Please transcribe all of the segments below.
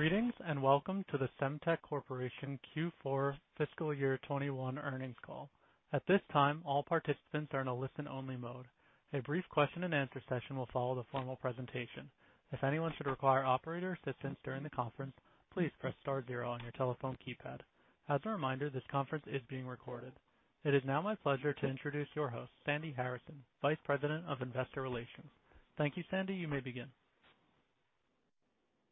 Greetings, welcome to the Semtech Corporation Q4 fiscal year 2021 earnings call. At this time, all participants are in a listen-only mode. A brief question and answer session will follow the formal presentation. If anyone should require operator assistance during the conference, please press star zero on your telephone keypad. As a reminder, this conference is being recorded. It is now my pleasure to introduce your host, Sandy Harrison, Vice President of Investor Relations. Thank you, Sandy. You may begin.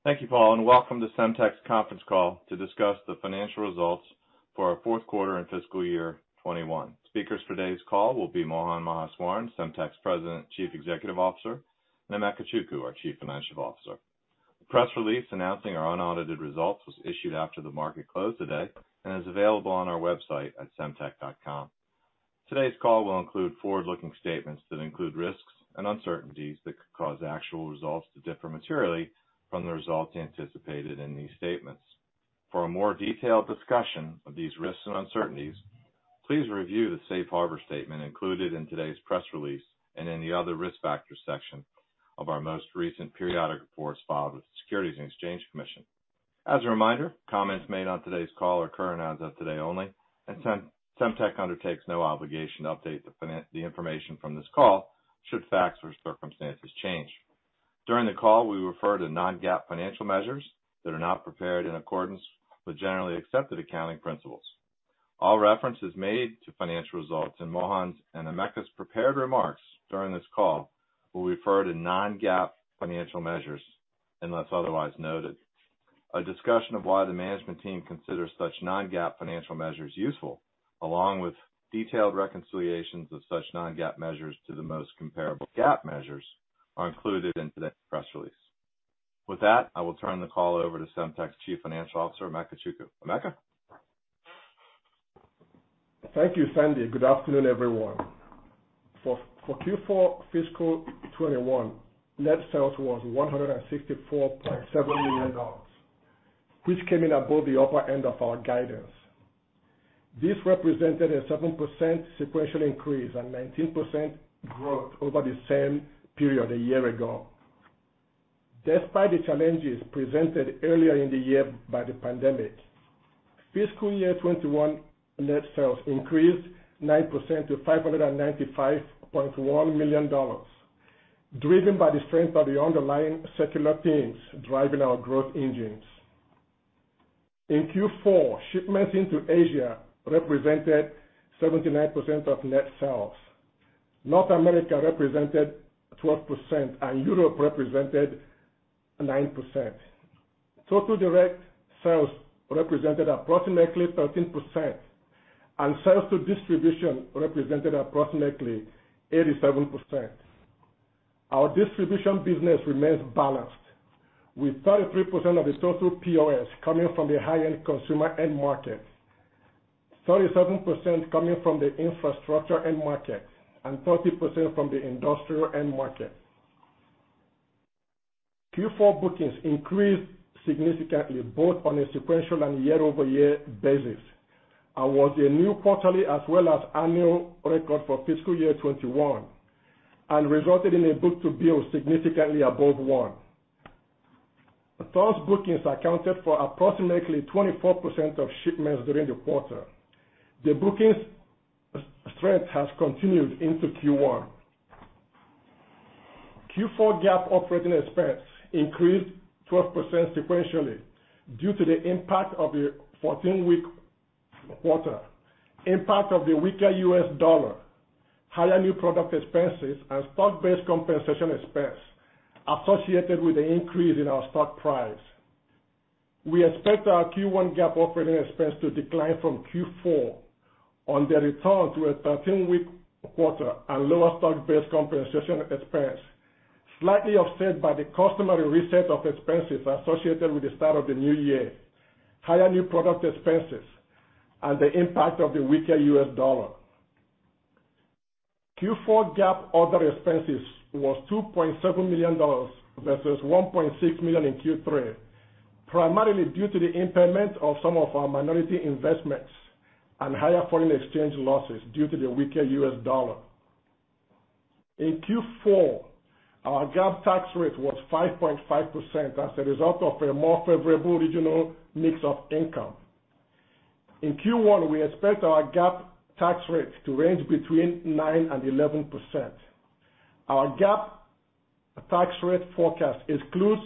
Thank you, Paul, welcome to Semtech's conference call to discuss the financial results for our fourth quarter and fiscal year 2021. Speakers for today's call will be Mohan Maheswaran, Semtech's President and Chief Executive Officer, and Emeka Chukwu, our Chief Financial Officer. The press release announcing our unaudited results was issued after the market close today, and is available on our website at semtech.com. Today's call will include forward-looking statements that include risks and uncertainties that could cause actual results to differ materially from the results anticipated in these statements. For a more detailed discussion of these risks and uncertainties, please review the safe harbor statement included in today's press release, and in the other risk factors section of our most recent periodic reports filed with the Securities and Exchange Commission. As a reminder, comments made on today's call are current as of today only, and Semtech undertakes no obligation to update the information from this call should facts or circumstances change. During the call, we refer to non-GAAP financial measures that are not prepared in accordance with Generally Accepted Accounting Principles. All references made to financial results in Mohan's and Emeka's prepared remarks during this call will refer to non-GAAP financial measures, unless otherwise noted. A discussion of why the management team considers such non-GAAP financial measures useful, along with detailed reconciliations of such non-GAAP measures to the most comparable GAAP measures, are included in today's press release. With that, I will turn the call over to Semtech's Chief Financial Officer, Emeka Chukwu. Emeka? Thank you, Sandy. Good afternoon, everyone. For Q4 fiscal 2021, net sales was $164.7 million, which came in above the upper end of our guidance. This represented a 7% sequential increase and 19% growth over the same period a year ago. Despite the challenges presented earlier in the year by the pandemic, fiscal year 2021 net sales increased 9% to $595.1 million, driven by the strength of the underlying secular themes driving our growth engines. In Q4, shipments into Asia represented 79% of net sales. North America represented 12%, and Europe represented 9%. Total direct sales represented approximately 13%, and sales to distribution represented approximately 87%. Our distribution business remains balanced, with 33% of the total POS coming from the high-end consumer end market, 37% coming from the infrastructure end market, and 30% from the industrial end market. Q4 bookings increased significantly, both on a sequential and YoY basis, and was a new quarterly as well as annual record for fiscal year 2021, and resulted in a book-to-bill significantly above one. Those bookings accounted for approximately 24% of shipments during the quarter. The bookings strength has continued into Q1. Q4 GAAP operating expense increased 12% sequentially due to the impact of the 14-week quarter, impact of the weaker U.S. dollar, higher new product expenses, and stock-based compensation expense associated with the increase in our stock price. We expect our Q1 GAAP operating expense to decline from Q4 on the return to a 13-week quarter and lower stock-based compensation expense, slightly offset by the customary reset of expenses associated with the start of the new year, higher new product expenses, and the impact of the weaker U.S. dollar. Q4 GAAP other expenses was $2.7 million versus $1.6 million in Q3, primarily due to the impairment of some of our minority investments and higher foreign exchange losses due to the weaker U.S. dollar. In Q4, our GAAP tax rate was 5.5% as a result of a more favorable regional mix of income. In Q1, we expect our GAAP tax rate to range between 9% and 11%. Our GAAP tax rate forecast excludes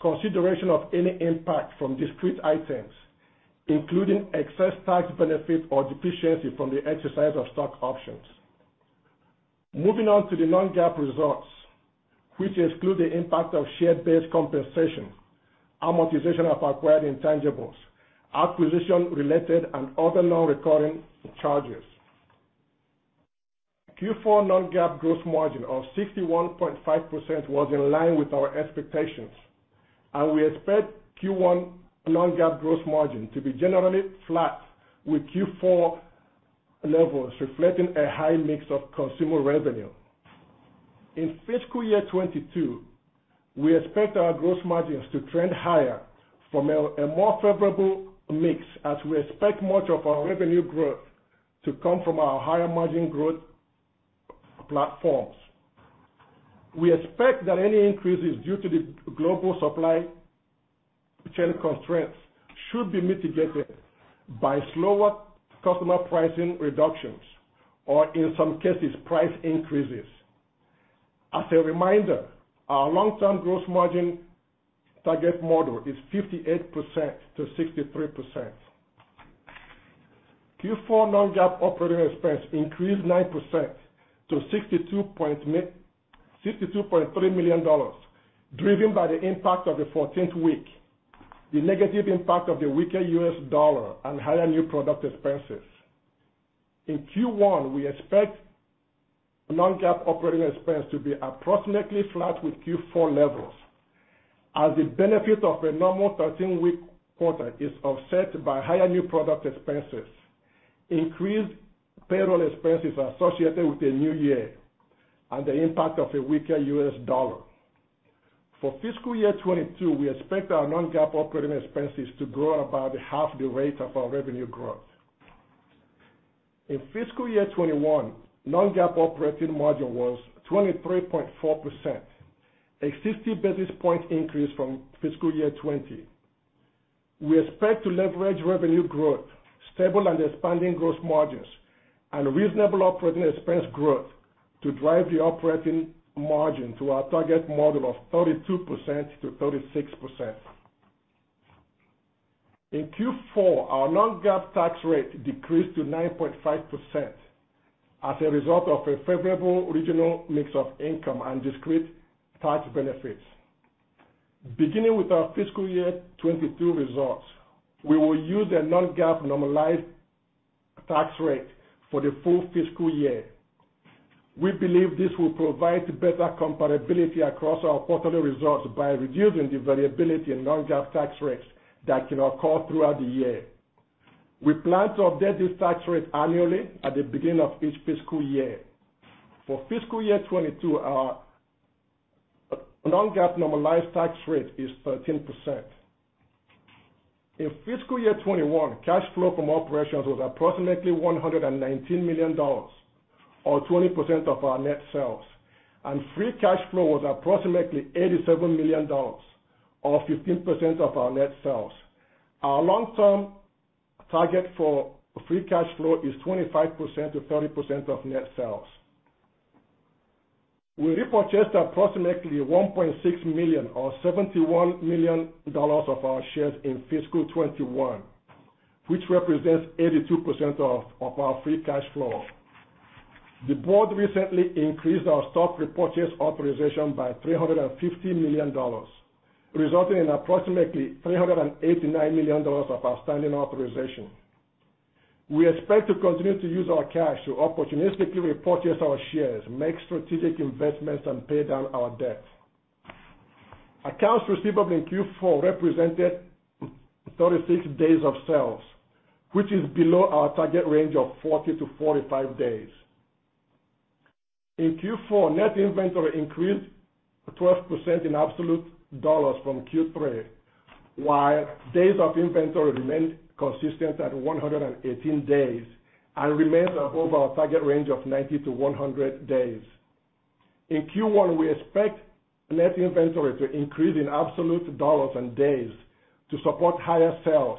consideration of any impact from discrete items, including excess tax benefit or deficiency from the exercise of stock options. Moving on to the non-GAAP results, which exclude the impact of share-based compensation, amortization of acquired intangibles, acquisition-related and other non-recurring charges. Q4 non-GAAP gross margin of 61.5% was in line with our expectations, and we expect Q1 non-GAAP gross margin to be generally flat with Q4 levels, reflecting a high mix of consumer revenue. In fiscal year 2022, we expect our gross margins to trend higher from a more favorable mix as we expect much of our revenue growth to come from our higher margin growth platforms. We expect that any increases due to the global supply chain constraints should be mitigated by slower customer pricing reductions, or in some cases, price increases. As a reminder, our long-term gross margin target model is 58%-63%. Q4 non-GAAP operating expense increased 9% to $62.3 million, driven by the impact of the 14th week, the negative impact of the weaker U.S. dollar, and higher new product expenses. In Q1, we expect non-GAAP operating expense to be approximately flat with Q4 levels, as the benefit of a normal 13-week quarter is offset by higher new product expenses, increased payroll expenses associated with the new year, and the impact of a weaker U.S. dollar. For fiscal year 2022, we expect our non-GAAP operating expenses to grow about half the rate of our revenue growth. In fiscal year 2021, non-GAAP operating margin was 23.4%, a 60 basis point increase from fiscal year 2020. We expect to leverage revenue growth, stable and expanding gross margins, and reasonable operating expense growth to drive the operating margin to our target model of 32%-36%. In Q4, our non-GAAP tax rate decreased to 9.5% as a result of a favorable regional mix of income and discrete tax benefits. Beginning with our fiscal year 2022 results, we will use a non-GAAP normalized tax rate for the full fiscal year. We believe this will provide better comparability across our quarterly results by reducing the variability in non-GAAP tax rates that can occur throughout the year. We plan to update this tax rate annually at the beginning of each fiscal year. For fiscal year 2022, our non-GAAP normalized tax rate is 13%. In fiscal year 2021, cash flow from operations was approximately $119 million, or 20% of our net sales, and free cash flow was approximately $87 million, or 15% of our net sales. Our long-term target for free cash flow is 25%-30% of net sales. We repurchased approximately 1.6 million, or $71 million of our shares in fiscal year 2021, which represents 82% of our free cash flow. The board recently increased our stock repurchase authorization by $350 million, resulting in approximately $389 million of outstanding authorization. We expect to continue to use our cash to opportunistically repurchase our shares, make strategic investments, and pay down our debt. Accounts receivable in Q4 represented 36 days of sales, which is below our target range of 40-45 days. In Q4, net inventory increased 12% in absolute dollars from Q3, while days of inventory remained consistent at 118 days and remains above our target range of 90-100 days. In Q1, we expect net inventory to increase in absolute dollars and days to support higher sales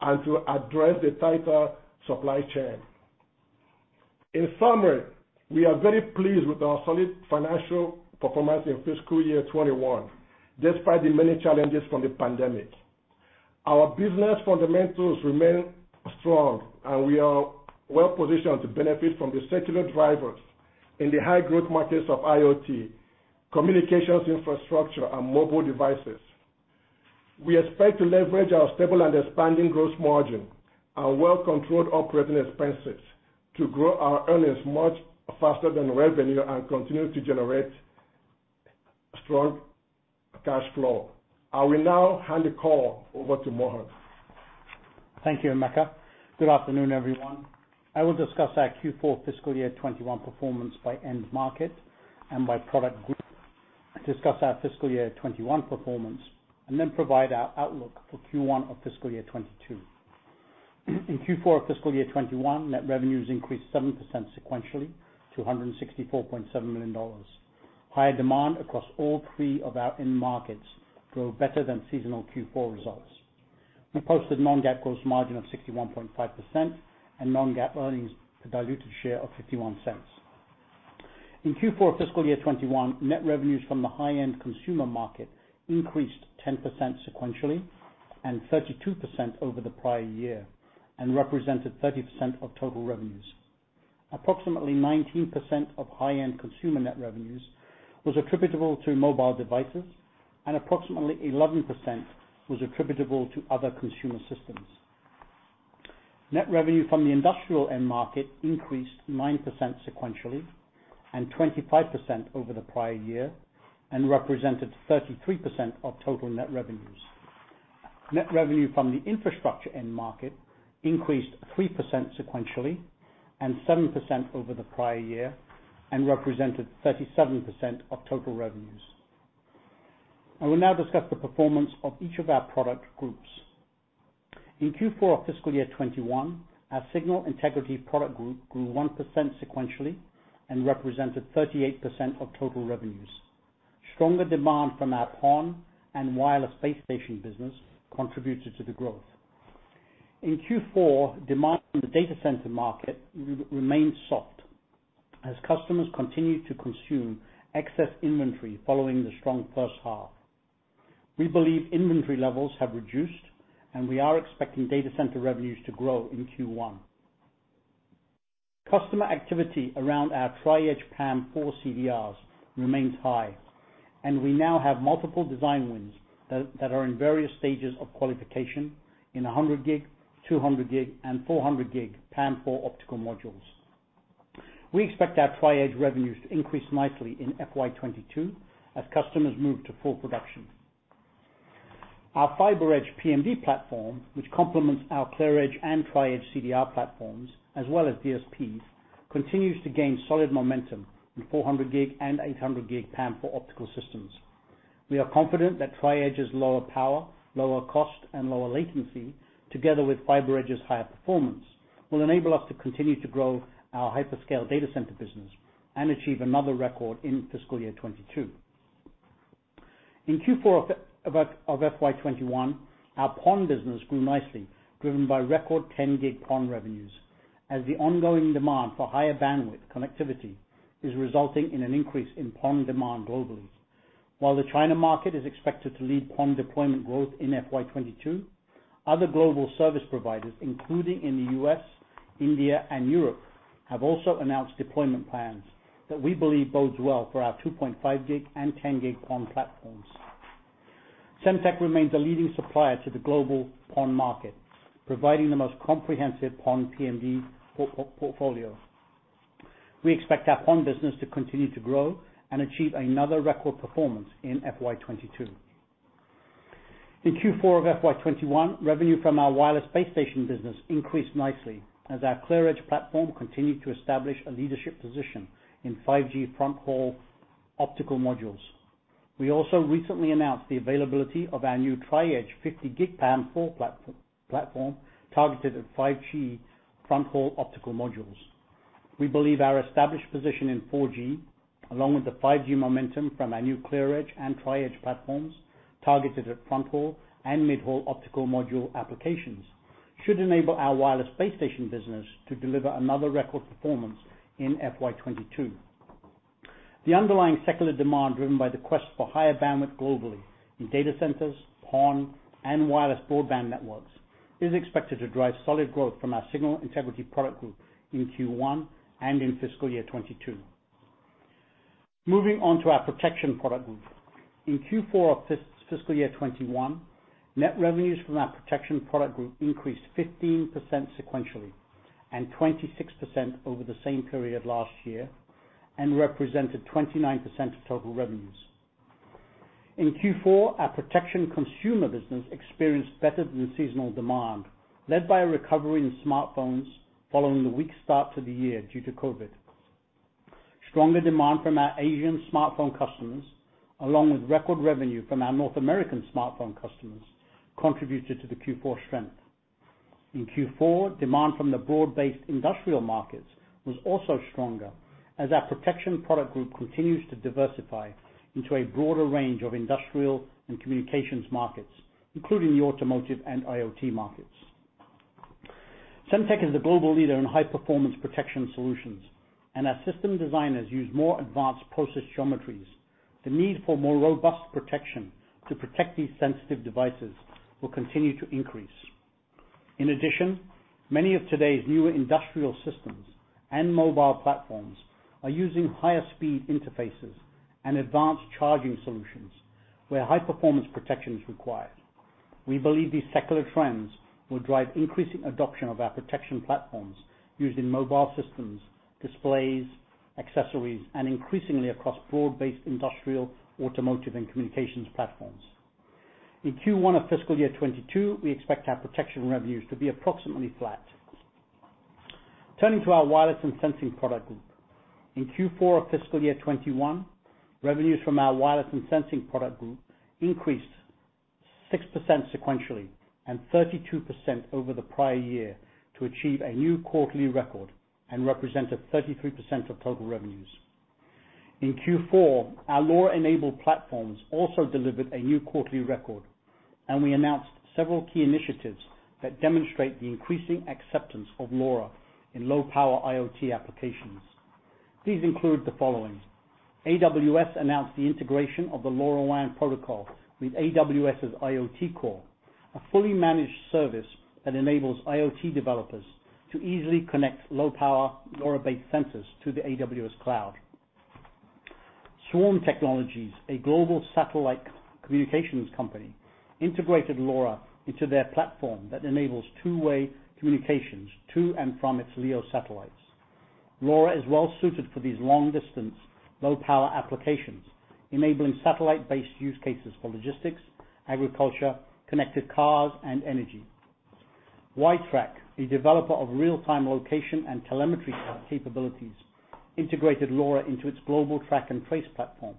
and to address the tighter supply chain. In summary, we are very pleased with our solid financial performance in fiscal year 2021, despite the many challenges from the pandemic. Our business fundamentals remain strong, we are well positioned to benefit from the secular drivers in the high-growth markets of IoT, communications infrastructure, and mobile devices. We expect to leverage our stable and expanding gross margin, our well-controlled operating expenses to grow our earnings much faster than revenue and continue to generate strong cash flow. I will now hand the call over to Mohan. Thank you, Emeka. Good afternoon, everyone. I will discuss our Q4 fiscal year 2021 performance by end market and by product group, discuss our fiscal year 2021 performance, and then provide our outlook for Q1 of fiscal year 2022. In Q4 of fiscal year 2021, net revenues increased 7% sequentially to $164.7 million. Higher demand across all three of our end markets drove better than seasonal Q4 results. We posted non-GAAP gross margin of 61.5% and non-GAAP earnings diluted share of $0.51. In Q4 fiscal year 2021, net revenues from the high-end consumer market increased 10% sequentially and 32% over the prior year and represented 30% of total revenues. Approximately 19% of high-end consumer net revenues was attributable to mobile devices, and approximately 11% was attributable to other consumer systems. Net revenue from the industrial end market increased 9% sequentially and 25% over the prior year and represented 33% of total net revenues. Net revenue from the infrastructure end market increased 3% sequentially and 7% over the prior year and represented 37% of total revenues. I will now discuss the performance of each of our product groups. In Q4 of fiscal year 2021, our Signal Integrity Product Group grew 1% sequentially and represented 38% of total revenues. Stronger demand from our PON and wireless base station business contributed to the growth. In Q4, demand from the data center market remained soft as customers continued to consume excess inventory following the strong first half. We believe inventory levels have reduced, and we are expecting data center revenues to grow in Q1. Customer activity around our Tri-Edge PAM4 CDRs remains high, and we now have multiple design wins that are in various stages of qualification in 100G, 200G, and 400G PAM4 optical modules. We expect our Tri-Edge revenues to increase nicely in FY 2022 as customers move to full production. Our FiberEdge PMD platform, which complements our ClearEdge and Tri-Edge CDR platforms as well as DSPs, continues to gain solid momentum in 400G and 800G PAM4 optical systems. We are confident that Tri-Edge's lower power, lower cost, and lower latency together with FiberEdge's higher performance will enable us to continue to grow our hyperscale data center business and achieve another record in fiscal year 2022. In Q4 of FY 2021, our PON business grew nicely, driven by record 10G PON revenues as the ongoing demand for higher bandwidth connectivity is resulting in an increase in PON demand globally. While the China market is expected to lead PON deployment growth in FY 2022, other global service providers, including in the U.S., India, and Europe, have also announced deployment plans that we believe bodes well for our 2.5G and 10G PON platforms. Semtech remains a leading supplier to the global PON market, providing the most comprehensive PON PMD portfolio. We expect our PON business to continue to grow and achieve another record performance in FY 2022. In Q4 of FY 2021, revenue from our wireless base station business increased nicely as our ClearEdge platform continued to establish a leadership position in 5G front haul optical modules. We also recently announced the availability of our new Tri-Edge 50G PAM4 platform targeted at 5G front haul optical modules. We believe our established position in 4G, along with the 5G momentum from our new ClearEdge and Tri-Edge platforms targeted at front haul and mid-haul optical module applications, should enable our wireless base station business to deliver another record performance in FY 2022. The underlying secular demand, driven by the quest for higher bandwidth globally in data centers, PON, and wireless broadband networks, is expected to drive solid growth from our Signal Integrity Product Group in Q1 and in fiscal year 2022. Moving on to our Protection Product Group. In Q4 of fiscal year 2021, net revenues from our Protection Product Group increased 15% sequentially and 26% over the same period last year and represented 29% of total revenues. In Q4, our protection consumer business experienced better than seasonal demand, led by a recovery in smartphones following the weak start to the year due to COVID. Stronger demand from our Asian smartphone customers, along with record revenue from our North American smartphone customers, contributed to the Q4 strength. In Q4, demand from the broad-based industrial markets was also stronger as our Protection Product Group continues to diversify into a broader range of industrial and communications markets, including the automotive and IoT markets. Semtech is a global leader in high-performance protection solutions, and our system designers use more advanced process geometries. The need for more robust protection to protect these sensitive devices will continue to increase. In addition, many of today's newer industrial systems and mobile platforms are using higher speed interfaces and advanced charging solutions where high-performance protection is required. We believe these secular trends will drive increasing adoption of our protection platforms used in mobile systems, displays, accessories, and increasingly across broad-based industrial, automotive, and communications platforms. In Q1 of fiscal year 2022, we expect our protection revenues to be approximately flat. Turning to our wireless and sensing product group. In Q4 of fiscal year 2021, revenues from our wireless and sensing product group increased 6% sequentially and 32% over the prior year to achieve a new quarterly record and represented 33% of total revenues. In Q4, our LoRa-enabled platforms also delivered a new quarterly record, and we announced several key initiatives that demonstrate the increasing acceptance of LoRa in low-power IoT applications. These include the following. AWS announced the integration of the LoRaWAN protocol with AWS IoT Core, a fully managed service that enables IoT developers to easily connect low-power LoRa-based sensors to the AWS cloud. Swarm Technologies, a global satellite communications company, integrated LoRa into their platform that enables two-way communications to and from its LEO satellites. LoRa is well suited for these long-distance, low-power applications, enabling satellite-based use cases for logistics, agriculture, connected cars, and energy. WITRAC, a developer of real-time location and telemetry capabilities, integrated LoRa into its global track and trace platform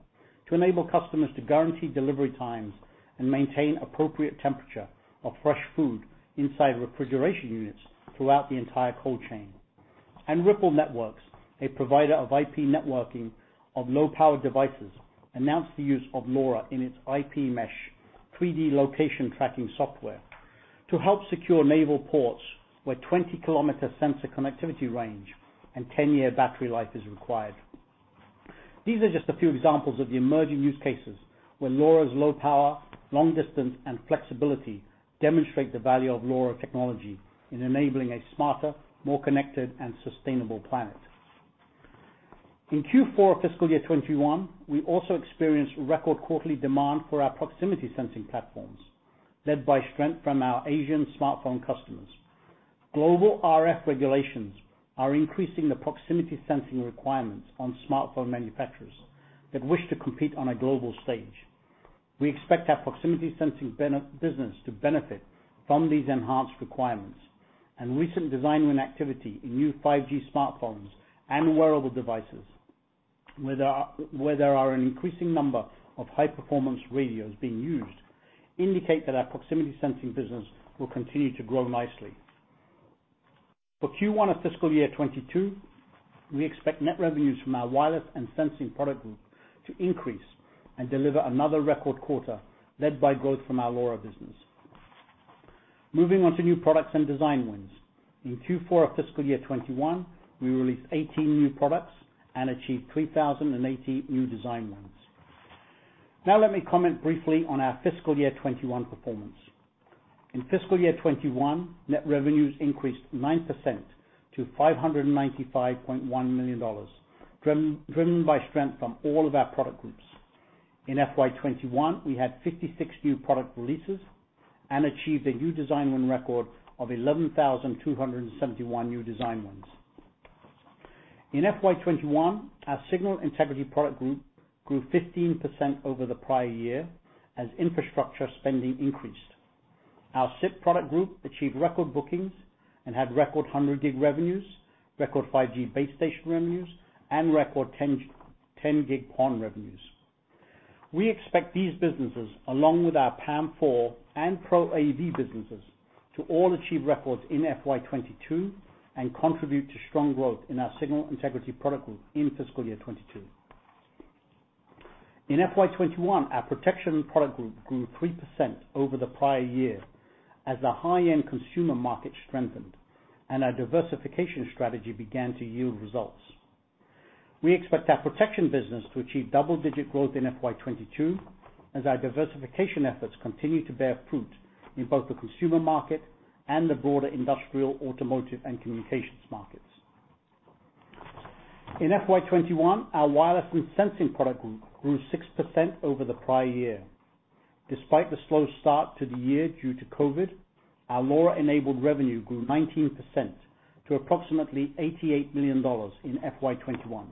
to enable customers to guarantee delivery times and maintain appropriate temperature of fresh food inside refrigeration units throughout the entire cold chain. Ripl Networks, a provider of IP networking of low-power devices, announced the use of LoRa in its IP mesh 3D location tracking software to help secure naval ports where 20-km sensor connectivity range and 10-year battery life is required. These are just a few examples of the emerging use cases where LoRa's low power, long distance, and flexibility demonstrate the value of LoRa technology in enabling a smarter, more connected, and sustainable planet. In Q4 fiscal year 2021, we also experienced record quarterly demand for our proximity sensing platforms, led by strength from our Asian smartphone customers. Global RF regulations are increasing the proximity sensing requirements on smartphone manufacturers that wish to compete on a global stage. We expect our proximity sensing business to benefit from these enhanced requirements and recent design win activity in new 5G smartphones and wearable devices, where there are an increasing number of high-performance radios being used, indicate that our proximity sensing business will continue to grow nicely. For Q1 of fiscal year 2022, we expect net revenues from our wireless and sensing product group to increase and deliver another record quarter, led by growth from our LoRa business. Moving on to new products and design wins. In Q4 of fiscal year 2021, we released 18 new products and achieved 3,080 new design wins. Now let me comment briefly on our fiscal year 2021 performance. In fiscal year 2021, net revenues increased 9% to $595.1 million, driven by strength from all of our product groups. In FY 2021, we had 56 new product releases and achieved a new design win record of 11,271 new design wins. In FY 2021, our Signal Integrity Product Group grew 15% over the prior year as infrastructure spending increased. Our SIP product group achieved record bookings and had record 100G revenues, record 5G base station revenues, and record 10G PON revenues. We expect these businesses, along with our PAM4 and Pro AV businesses, to all achieve records in FY 2022 and contribute to strong growth in our Signal Integrity Product Group in fiscal year 2022. In FY 2021, our Protection Product Group grew 3% over the prior year as the high-end consumer market strengthened and our diversification strategy began to yield results. We expect our protection business to achieve double-digit growth in FY 2022 as our diversification efforts continue to bear fruit in both the consumer market and the broader industrial, automotive, and communications markets. In FY 2021, our Wireless and Sensing Products Group grew 6% over the prior year. Despite the slow start to the year due to COVID, our LoRa-enabled revenue grew 19% to approximately $88 million in FY 2021.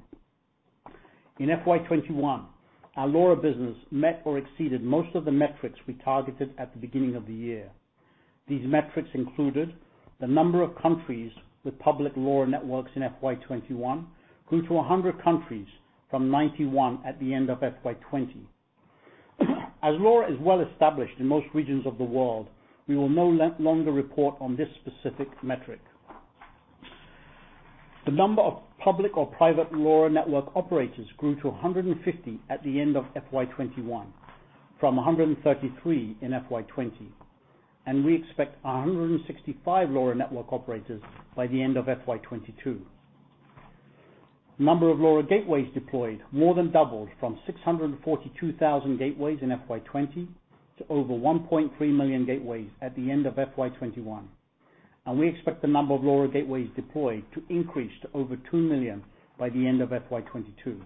In FY 2021, our LoRa business met or exceeded most of the metrics we targeted at the beginning of the year. These metrics included the number of countries with public LoRa networks in FY 2021 grew to 100 countries from 91 at the end of FY 2020. As LoRa is well established in most regions of the world, we will no longer report on this specific metric. The number of public or private LoRa network operators grew to 150 at the end of FY 2021 from 133 in FY 2020, and we expect 165 LoRa network operators by the end of FY 2022. Number of LoRa gateways deployed more than doubled from 642,000 gateways in FY 2020 to over 1.3 million gateways at the end of FY 2021. We expect the number of LoRa gateways deployed to increase to over 2 million by the end of FY 2022.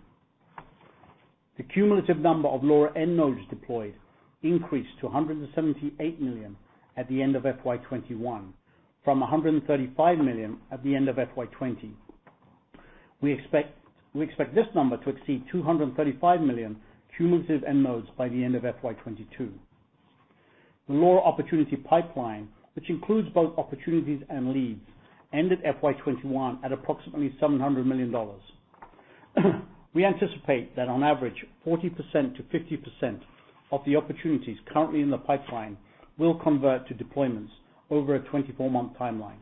The cumulative number of LoRa end nodes deployed increased to 178 million at the end of FY 2021 from 135 million at the end of FY 2020. We expect this number to exceed 235 million cumulative end nodes by the end of FY 2022. The LoRa opportunity pipeline, which includes both opportunities and leads, ended FY 2021 at approximately $700 million. We anticipate that on average, 40%-50% of the opportunities currently in the pipeline will convert to deployments over a 24-month timeline.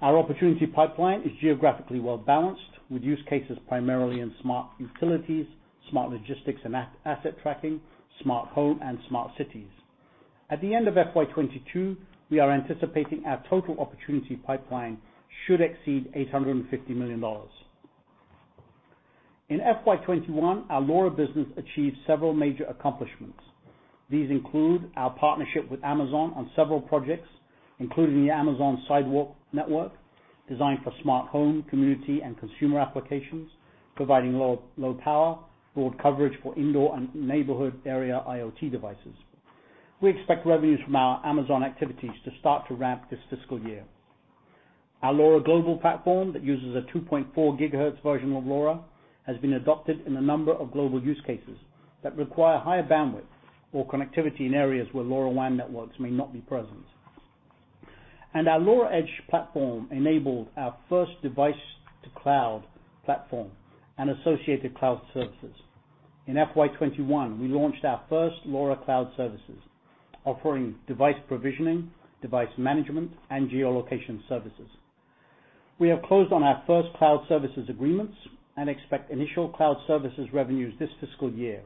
Our opportunity pipeline is geographically well-balanced, with use cases primarily in smart utilities, smart logistics and asset tracking, smart home, and smart cities. At the end of FY 2022, we are anticipating our total opportunity pipeline should exceed $850 million. In FY 2021, our LoRa business achieved several major accomplishments. These include our partnership with Amazon on several projects, including the Amazon Sidewalk network, designed for smart home, community, and consumer applications, providing low power, broad coverage for indoor and neighborhood area IoT devices. We expect revenues from our Amazon activities to start to ramp this fiscal year. Our LoRa global platform that uses a 2.4 GHz version of LoRa has been adopted in a number of global use cases that require higher bandwidth or connectivity in areas where LoRaWAN networks may not be present. Our LoRa Edge platform enabled our first device to cloud platform and associated cloud services. In FY 2021, we launched our first LoRa Cloud Services offering device provisioning, device management, and geolocation services. We have closed on our first cloud services agreements and expect initial cloud services revenues this fiscal year.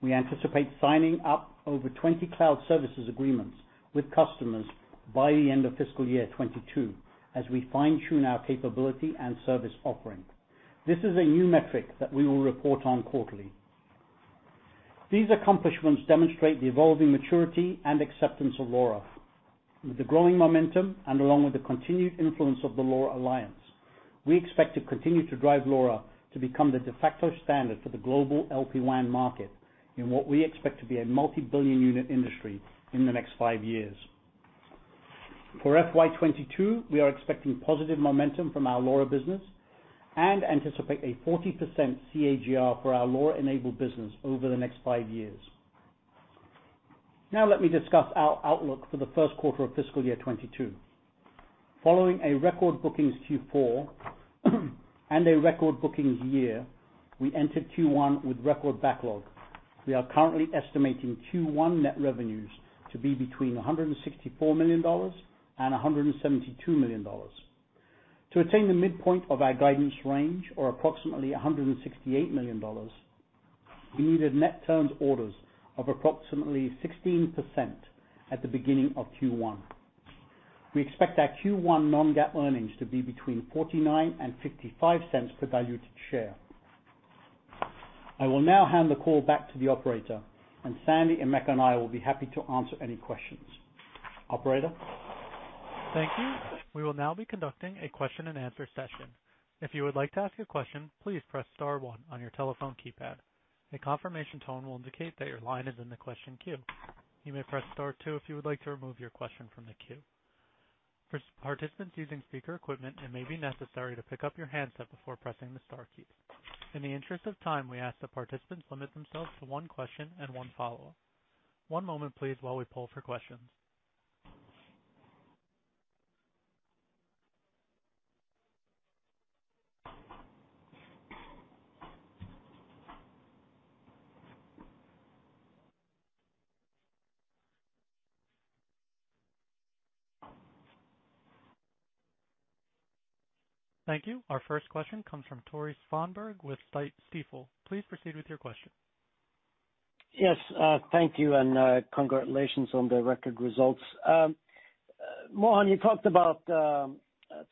We anticipate signing up over 20 cloud services agreements with customers by the end of fiscal year 2022, as we fine-tune our capability and service offering. This is a new metric that we will report on quarterly. These accomplishments demonstrate the evolving maturity and acceptance of LoRa. With the growing momentum and along with the continued influence of the LoRa Alliance, we expect to continue to drive LoRa to become the de facto standard for the global LPWAN market in what we expect to be a multi-billion unit industry in the next five years. For FY 2022, we are expecting positive momentum from our LoRa business and anticipate a 40% CAGR for our LoRa-enabled business over the next five years. Let me discuss our outlook for the first quarter of fiscal year 2022. Following a record bookings Q4 and a record bookings year, we entered Q1 with record backlog. We are currently estimating Q1 net revenues to be between $164 million-$172 million. To attain the midpoint of our guidance range, or approximately $168 million, we needed net turns orders of approximately 16% at the beginning of Q1. We expect our Q1 non-GAAP earnings to be between $0.49 and $0.55 per diluted share. I will now hand the call back to the operator, and Sandy, Emeka, and I will be happy to answer any questions. Operator? Thank you. We will now be conducting a question and answer session. If you would like to ask a question, please press star one on your telephone keypad. The confirmation tone will indicate that your line is in the question queue. You may press star two if you would like to remove your question from the queue. For participants using speaker equipment, it may be necessary to pick up your handset before pressing the star key. In the interest of time, we ask the participants to limit themselves to one question and one follow-up. One moment, please, while we poll for questions. Yes, thank you, and congratulations on the record results. Mohan, you talked about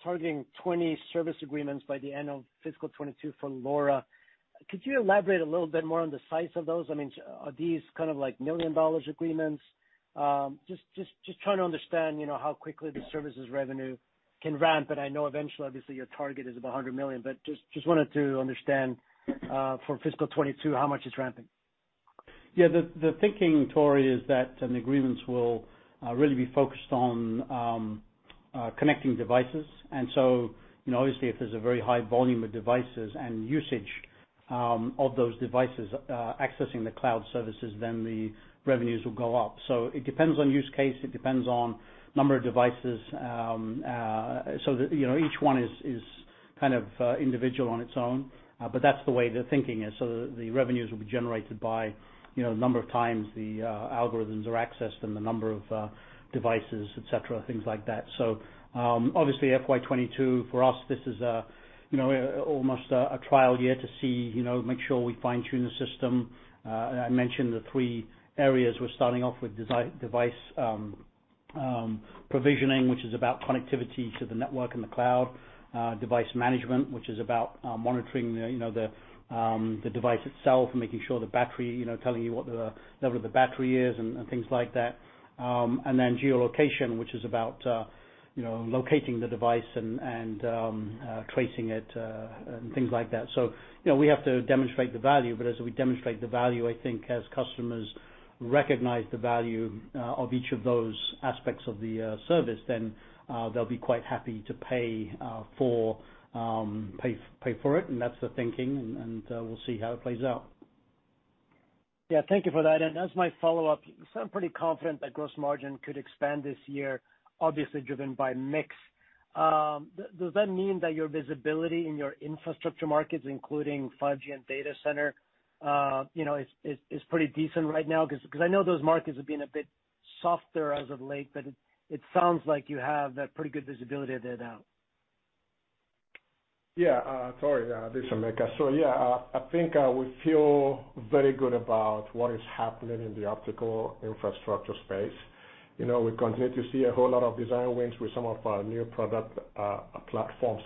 targeting 20 service agreements by the end of fiscal 2022 for LoRa. Could you elaborate a little bit more on the size of those? Are these kind of like million-dollar agreements? Just trying to understand how quickly the services revenue can ramp. I know eventually, obviously your target is $100 million, but just wanted to understand, for fiscal 2022, how much it's ramping. Yeah, the thinking, Tore, is that the agreements will really be focused on connecting devices. Obviously if there's a very high volume of devices and usage of those devices accessing the cloud services, then the revenues will go up. It depends on use case, it depends on number of devices. Each one is kind of individual on its own, that's the way the thinking is. The revenues will be generated by the number of times the algorithms are accessed and the number of devices, et cetera, things like that. Obviously FY 2022 for us, this is almost a trial year to make sure we fine-tune the system. I mentioned the three areas we're starting off with, device provisioning, which is about connectivity to the network and the cloud. Device management, which is about monitoring the device itself and making sure the battery, telling you what the level of the battery is and things like that. Then geolocation, which is about locating the device and tracing it, and things like that. We have to demonstrate the value, but as we demonstrate the value, I think as customers recognize the value of each of those aspects of the service, then they'll be quite happy to pay for it. That's the thinking, and we'll see how it plays out. Yeah, thank you for that. As my follow-up, you sound pretty confident that gross margin could expand this year, obviously driven by mix. Does that mean that your visibility in your infrastructure markets, including 5G and data center, is pretty decent right now? I know those markets have been a bit softer as of late, but it sounds like you have that pretty good visibility there now. Yeah, Tore, this is Emeka. Yeah, I think we feel very good about what is happening in the optical infrastructure space. We continue to see a whole lot of design wins with some of our new product platforms.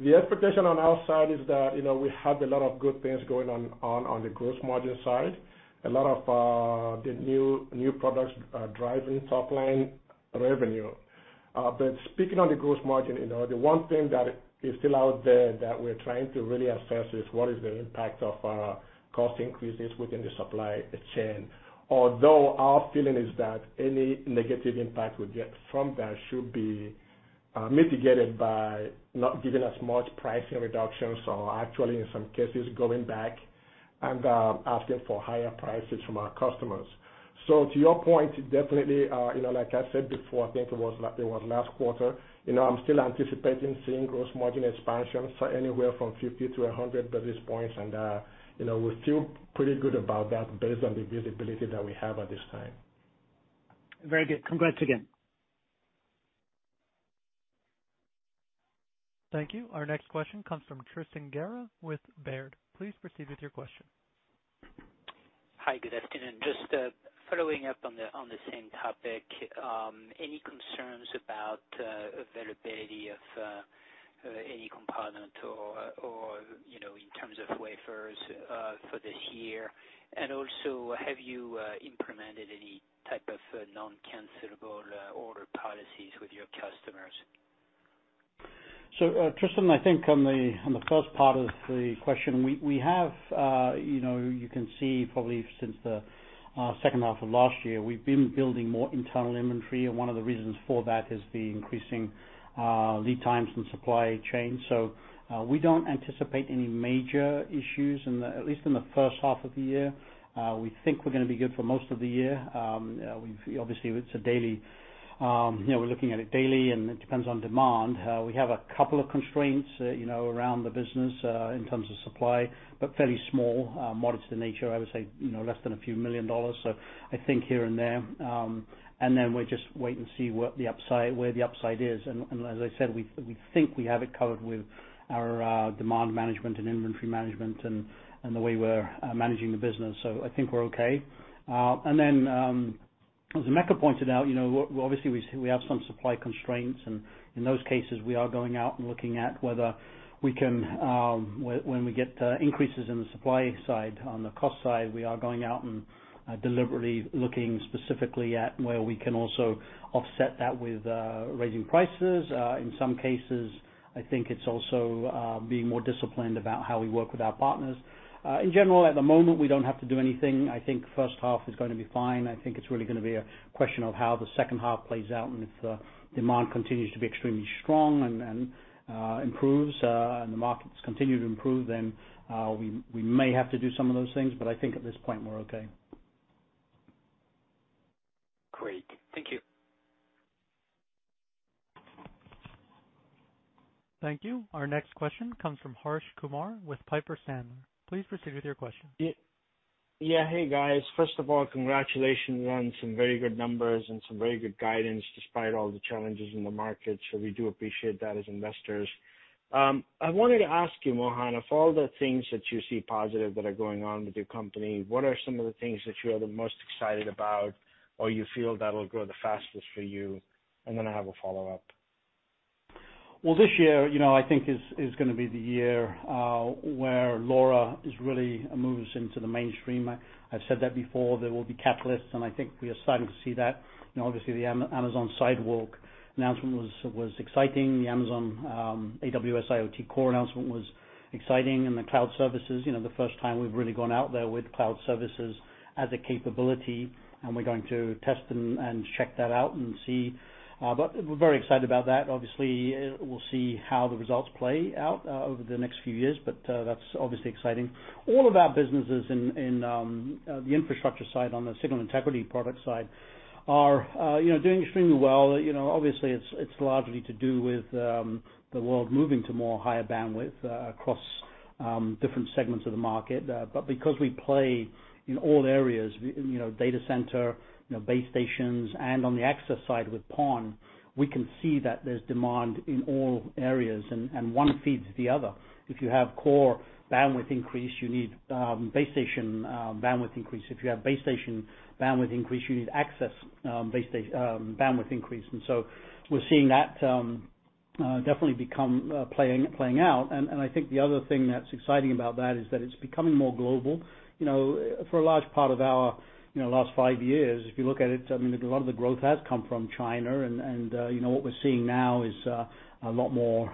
The expectation on our side is that we have a lot of good things going on the gross margin side. A lot of the new products are driving top-line revenue. Speaking on the gross margin, the one thing that is still out there that we're trying to really assess is what is the impact of cost increases within the supply chain. Although our feeling is that any negative impact we get from that should be mitigated by not giving us much pricing reductions, or actually, in some cases, going back and asking for higher prices from our customers. To your point, definitely, like I said before, I think it was last quarter, I'm still anticipating seeing gross margin expansion anywhere from 50-100 basis points. We feel pretty good about that based on the visibility that we have at this time. Very good. Congrats again. Thank you. Our next question comes from Tristan Gerra with Baird. Please proceed with your question. Hi, good afternoon. Just following up on the same topic. Any concerns about availability of any component or in terms of wafers for this year? Also, have you implemented any type of non-cancelable order policies with your customers? Tristan, I think on the first part of the question, you can see probably since the second half of last year, we've been building more internal inventory, and one of the reasons for that is the increasing lead times in supply chain. We don't anticipate any major issues, at least in the first half of the year. We think we're going to be good for most of the year. Obviously, we're looking at it daily, and it depends on demand. We have a couple of constraints around the business in terms of supply, but fairly small, modest in nature, I would say, less than a few million dollars. I think here and there. We're just wait and see where the upside is. As I said, we think we have it covered with our demand management and inventory management and the way we're managing the business. I think we're okay. As Emeka pointed out, obviously we have some supply constraints, and in those cases, we are going out and looking at whether when we get increases in the supply side, on the cost side, we are going out and deliberately looking specifically at where we can also offset that with raising prices. In some cases, I think it's also being more disciplined about how we work with our partners. In general, at the moment, we don't have to do anything. I think the first half is going to be fine. I think it's really going to be a question of how the second half plays out, and if demand continues to be extremely strong and improves, and the markets continue to improve, then we may have to do some of those things. I think at this point, we're okay. Great. Thank you. Thank you. Our next question comes from Harsh Kumar with Piper Sandler. Please proceed with your question. Yeah. Hey, guys. First of all, congratulations on some very good numbers and some very good guidance despite all the challenges in the market. We do appreciate that as investors. I wanted to ask you, Mohan, of all the things that you see positive that are going on with your company, what are some of the things that you are the most excited about or you feel that'll grow the fastest for you? I have a follow-up. Well, this year, I think, is going to be the year where LoRa really moves into the mainstream. I've said that before. There will be catalysts, and I think we are starting to see that. Obviously, the Amazon Sidewalk announcement was exciting. The Amazon AWS IoT Core announcement was exciting, and the cloud services, the first time we've really gone out there with cloud services as a capability, and we're going to test and check that out and see. We're very excited about that. Obviously, we'll see how the results play out over the next few years, that's obviously exciting. All of our businesses in the infrastructure side, on the Signal Integrity Products side, are doing extremely well. Obviously, it's largely to do with the world moving to more higher bandwidth across different segments of the market. Because we play in all areas, data center, base stations, and on the access side with PON, we can see that there's demand in all areas, and one feeds the other. If you have core bandwidth increase, you need base station bandwidth increase. If you have base station bandwidth increase, you need access bandwidth increase. We're seeing that definitely playing out. I think the other thing that's exciting about that is that it's becoming more global. For a large part of our last five years, if you look at it, I mean, a lot of the growth has come from China, and what we're seeing now is a lot more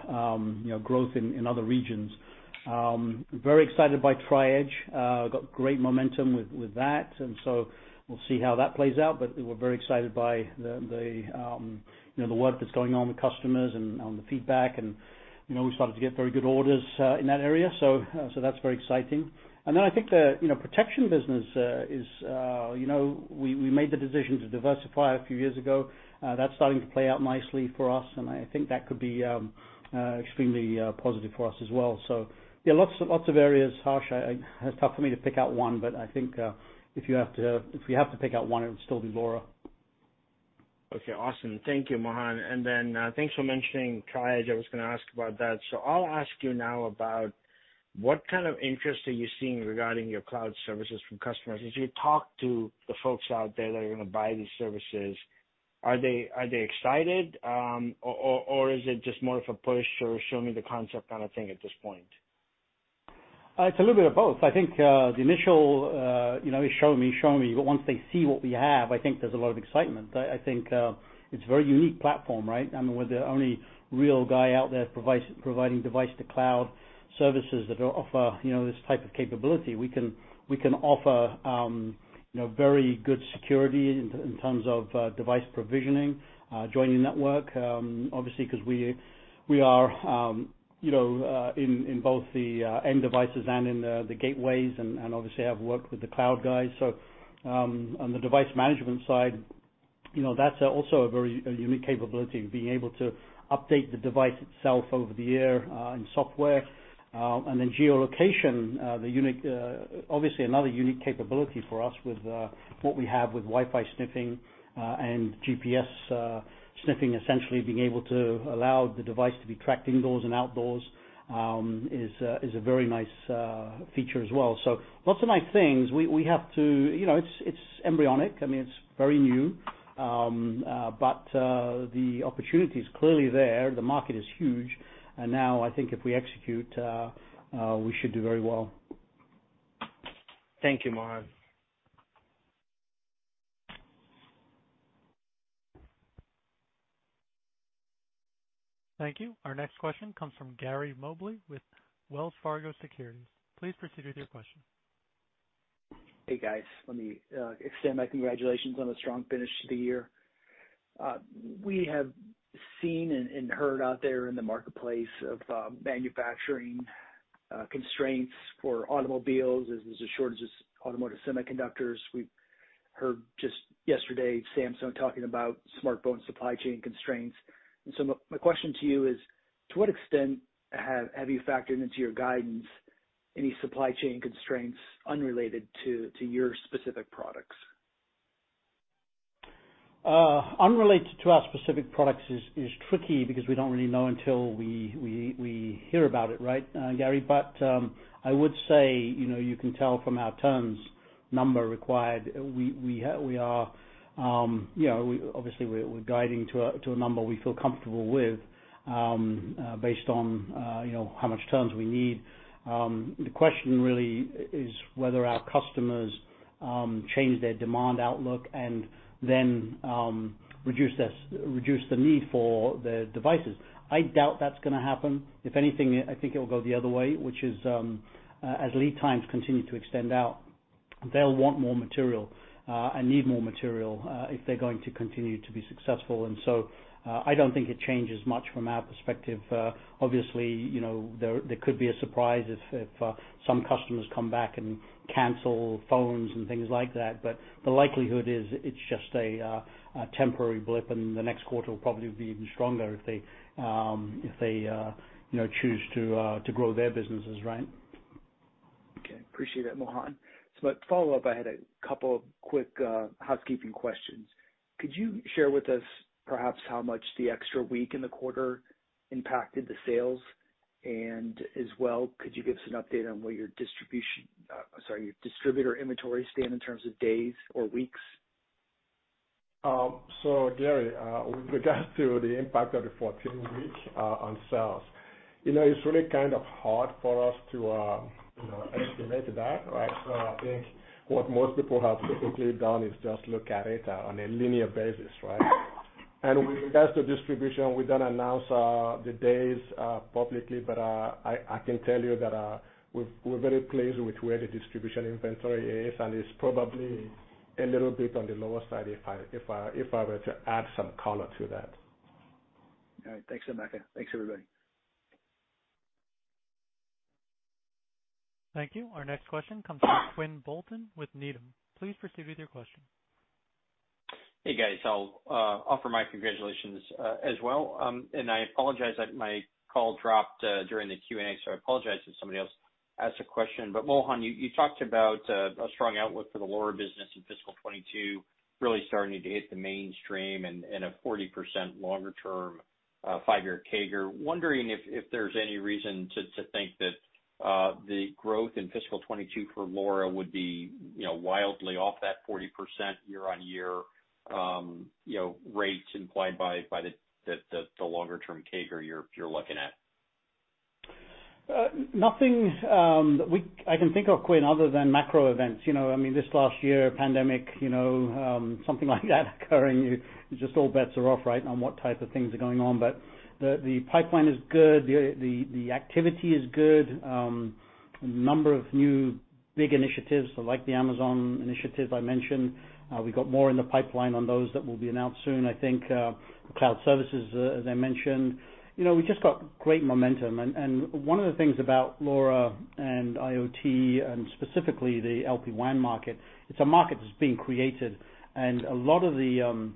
growth in other regions. Very excited by Tri-Edge. Got great momentum with that, and so we'll see how that plays out. We're very excited by the work that's going on with customers and the feedback, and we started to get very good orders in that area. That's very exciting. I think the protection business, we made the decision to diversify a few years ago. That's starting to play out nicely for us, and I think that could be extremely positive for us as well. Yeah, lots of areas, Harsh. It's tough for me to pick out one, but I think if you have to pick out one, it would still be LoRa. Okay, awesome. Thank you, Mohan. Thanks for mentioning Tri-Edge. I was going to ask about that. I'll ask you now about what kind of interest are you seeing regarding your cloud services from customers? As you talk to the folks out there that are going to buy these services, are they excited, or is it just more of a push or show me the concept kind of thing at this point? It's a little bit of both. I think the initial "Show me." Once they see what we have, I think there's a lot of excitement. I think it's a very unique platform, right? We're the only real guy out there providing device-to-cloud services that offer this type of capability. We can offer very good security in terms of device provisioning, joining network, obviously, because we are in both the end devices and in the gateways, and obviously have worked with the cloud guys. On the device management side, that's also a very unique capability, being able to update the device itself over the air and software. Geolocation, obviously another unique capability for us with what we have with Wi-Fi sniffing and GPS sniffing, essentially being able to allow the device to be tracked indoors and outdoors, is a very nice feature as well. Lots of nice things. It's embryonic. It's very new. The opportunity's clearly there. The market is huge. Now I think if we execute, we should do very well. Thank you, Mohan. Thank you. Our next question comes from Gary Mobley with Wells Fargo Securities. Please proceed with your question. Hey, guys. Let me extend my congratulations on a strong finish to the year. We have seen and heard out there in the marketplace of manufacturing constraints for automobiles, as there's a shortage of automotive semiconductors. We heard just yesterday, Samsung talking about smartphone supply chain constraints. My question to you is, to what extent have you factored into your guidance any supply chain constraints unrelated to your specific products? Unrelated to our specific products is tricky because we don't really know until we hear about it, right, Gary? I would say, you can tell from our turns number required, obviously, we're guiding to a number we feel comfortable with based on how much turns we need. The question really is whether our customers change their demand outlook and then reduce the need for the devices. I doubt that's gonna happen. If anything, I think it'll go the other way, which is, as lead times continue to extend out, they'll want more material and need more material if they're going to continue to be successful. I don't think it changes much from our perspective. Obviously, there could be a surprise if some customers come back and cancel phones and things like that. The likelihood is it's just a temporary blip. The next quarter will probably be even stronger if they choose to grow their businesses, right? Okay. Appreciate it, Mohan. To follow-up, I had a couple of quick housekeeping questions. Could you share with us perhaps how much the extra week in the quarter impacted the sales? As well, could you give us an update on where your distributor inventory stand in terms of days or weeks? Gary, with regards to the impact of the 14th week on sales. It's really kind of hard for us to estimate that, right? I think what most people have typically done is just look at it on a linear basis, right? With regards to distribution, we don't announce the days publicly, but I can tell you that we're very pleased with where the distribution inventory is, and it's probably a little bit on the lower side if I were to add some color to that. All right. Thanks, Emeka. Thanks, everybody. Thank you. Our next question comes from Quinn Bolton with Needham. Please proceed with your question. Hey, guys. I'll offer my congratulations as well. I apologize that my call dropped during the Q&A, so I apologize if somebody else asked a question. Mohan, you talked about a strong outlook for the LoRa business in fiscal 2022 really starting to hit the mainstream and a 40% longer term five-year CAGR. Wondering if there's any reason to think that the growth in fiscal 2022 for LoRa would be wildly off that 40% year-on-year rates implied by the longer term CAGR you're looking at. Nothing I can think of, Quinn, other than macro events. This last year, pandemic, something like that occurring, just all bets are off, right? On what type of things are going on. The pipeline is good. The activity is good. A number of new big initiatives, like the Amazon Initiative I mentioned. We got more in the pipeline on those that will be announced soon. I think cloud services, as I mentioned. We just got great momentum. One of the things about LoRa and IoT, and specifically the LPWAN market, it's a market that's being created. A lot of the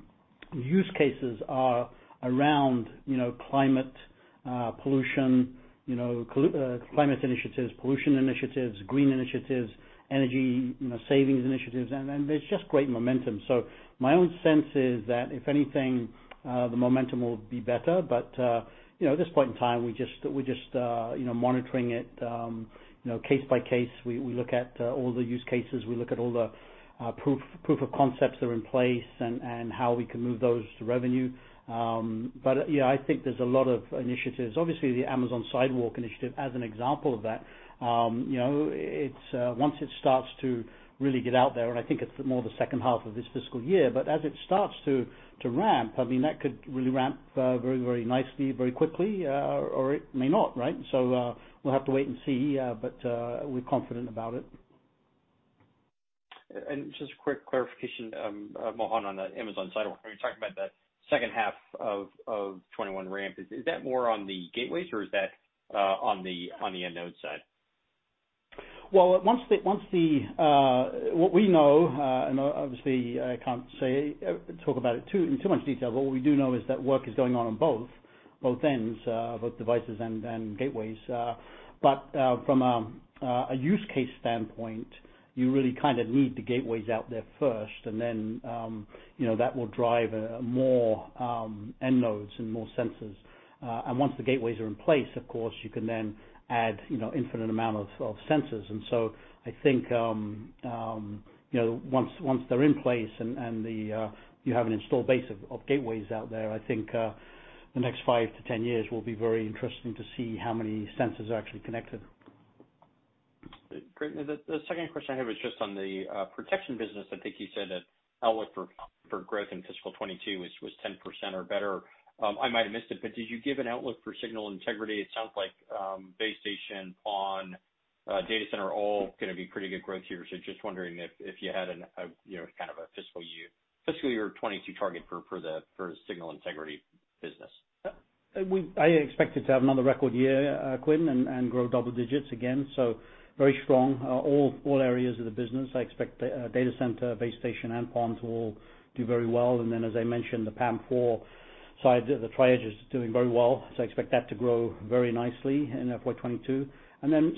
use cases are around climate initiatives, pollution initiatives, green initiatives, energy savings initiatives, and there's just great momentum. My own sense is that if anything, the momentum will be better. At this point in time, we're just monitoring it case by case. We look at all the use cases, we look at all the proof of concepts are in place and how we can move those to revenue. Yeah, I think there's a lot of initiatives. Obviously, the Amazon Sidewalk initiative, as an example of that. Once it starts to really get out there, and I think it's more the second half of this fiscal year, but as it starts to ramp, that could really ramp very nicely, very quickly, or it may not. We'll have to wait and see. We're confident about it. Just a quick clarification, Mohan, on the Amazon Sidewalk. When you're talking about that second half of 2021 ramp, is that more on the gateways or is that on the end node side? What we know, and obviously, I can't talk about it in too much detail, but what we do know is that work is going on on both ends, both devices and gateways. From a use case standpoint, you really need the gateways out there first and then that will drive more end nodes and more sensors. Once the gateways are in place, of course, you can then add infinite amount of sensors. I think, once they're in place and you have an install base of gateways out there, I think the next 5-10 years will be very interesting to see how many sensors are actually connected. Great. The second question I have is just on the protection business. I think you said that outlook for growth in fiscal 2022 was 10% or better. I might have missed it, but did you give an outlook for Signal Integrity? It sounds like base station, PON, data center, all going to be pretty good growth here. Just wondering if you had a kind of a fiscal year 2022 target for the Signal Integrity business. I expect it to have another record year, Quinn, and grow double digits again. Very strong. All areas of the business, I expect data center, base station, and PONs will do very well. As I mentioned, the PAM4 side, the Tri-Edge is doing very well, I expect that to grow very nicely in FY 2022.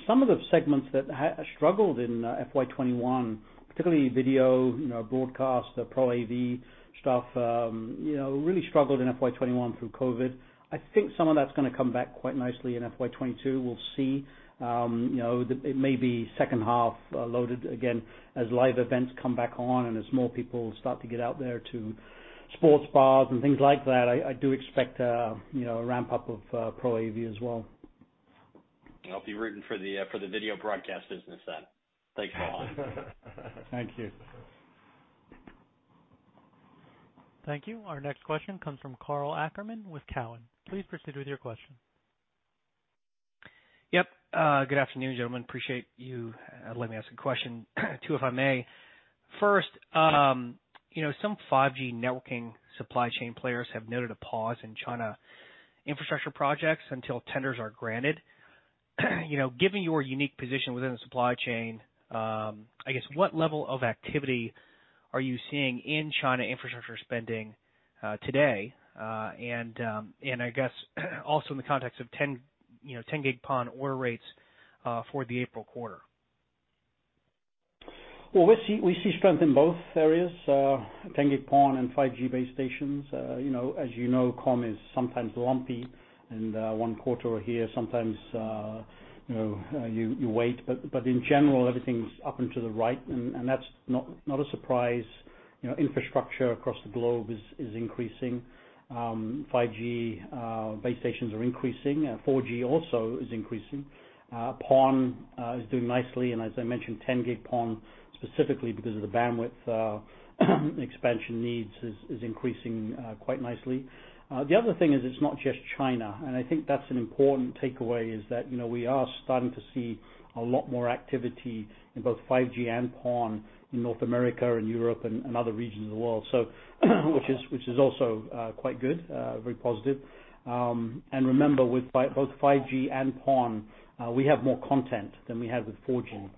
Some of the segments that struggled in FY 2021, particularly video, broadcast, Pro AV stuff, really struggled in FY 2021 through COVID. I think some of that's going to come back quite nicely in FY 2022. We'll see. It may be second half loaded again as live events come back on and as more people start to get out there to sports bars and things like that. I do expect a ramp-up of Pro AV as well. I'll be rooting for the video broadcast business then. Thanks, Mohan. Thank you. Thank you. Our next question comes from Karl Ackerman with Cowen. Please proceed with your question. Yep. Good afternoon, gentlemen. Appreciate you letting me ask a question, two, if I may. First, some 5G networking supply chain players have noted a pause in China infrastructure projects until tenders are granted. Given your unique position within the supply chain, I guess, what level of activity are you seeing in China infrastructure spending today? I guess, also in the context of 10G PON order rates for the April quarter. Well, we see strength in both areas, 10G PON and 5G base stations. As you know, comm is sometimes lumpy and one quarter here, sometimes you wait. In general, everything's up and to the right, and that's not a surprise. Infrastructure across the globe is increasing. 5G base stations are increasing. 4G also is increasing. PON is doing nicely, and as I mentioned, 10G PON, specifically because of the bandwidth expansion needs, is increasing quite nicely. The other thing is, it's not just China, I think that's an important takeaway is that, we are starting to see a lot more activity in both 5G and PON in North America and Europe and other regions of the world, which is also quite good, very positive. Remember, with both 5G and PON, we have more content than we had with 4G.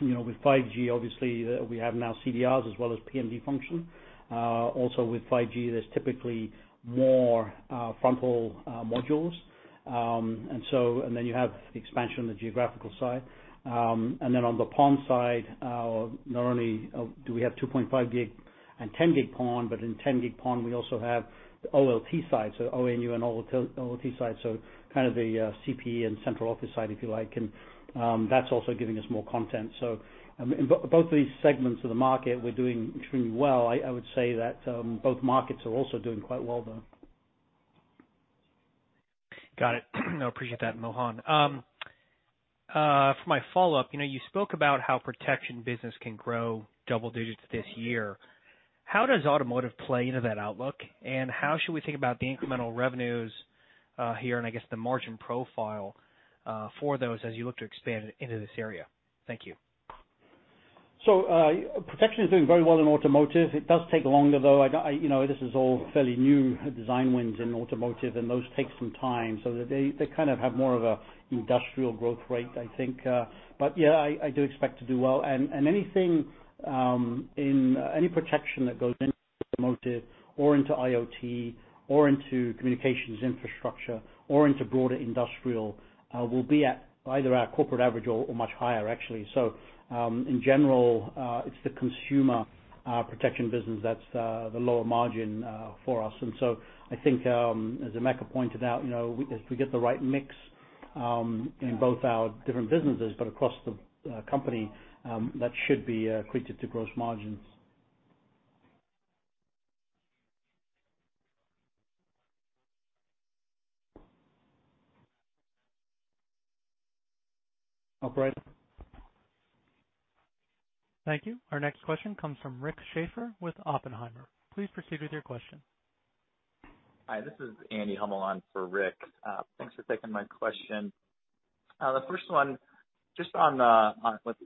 With 5G, obviously, we have now CDRs as well as PMD function. Also with 5G, there's typically more fronthaul modules. You have the expansion on the geographical side. On the PON side, not only do we have 2.5G and 10G PON, but in 10G PON we also have the OLT side, so ONU and OLT side, so kind of the CPE and central office side, if you like, and that's also giving us more content. In both these segments of the market, we're doing extremely well. I would say that both markets are also doing quite well, though. Got it. No, appreciate that, Mohan. For my follow-up, you spoke about how protection business can grow double digits this year. How does automotive play into that outlook, and how should we think about the incremental revenues here and I guess the margin profile for those as you look to expand into this area? Thank you. Protection is doing very well in automotive. It does take longer, though. This is all fairly new design wins in automotive, and those take some time. They kind of have more of an industrial growth rate, I think. Yeah, I do expect to do well. Any protection that goes into automotive or into IoT or into communications infrastructure or into broader industrial, will be at either our corporate average or much higher, actually. In general, it's the consumer protection business that's the lower margin for us. I think, as Emeka pointed out, if we get the right mix in both our different businesses, but across the company, that should be accretive to gross margins. Thank you. Our next question comes from Rick Schafer with Oppenheimer. Please proceed with your question. Hi, this is Andy Hummel on for Rick. Thanks for taking my question. The first one, just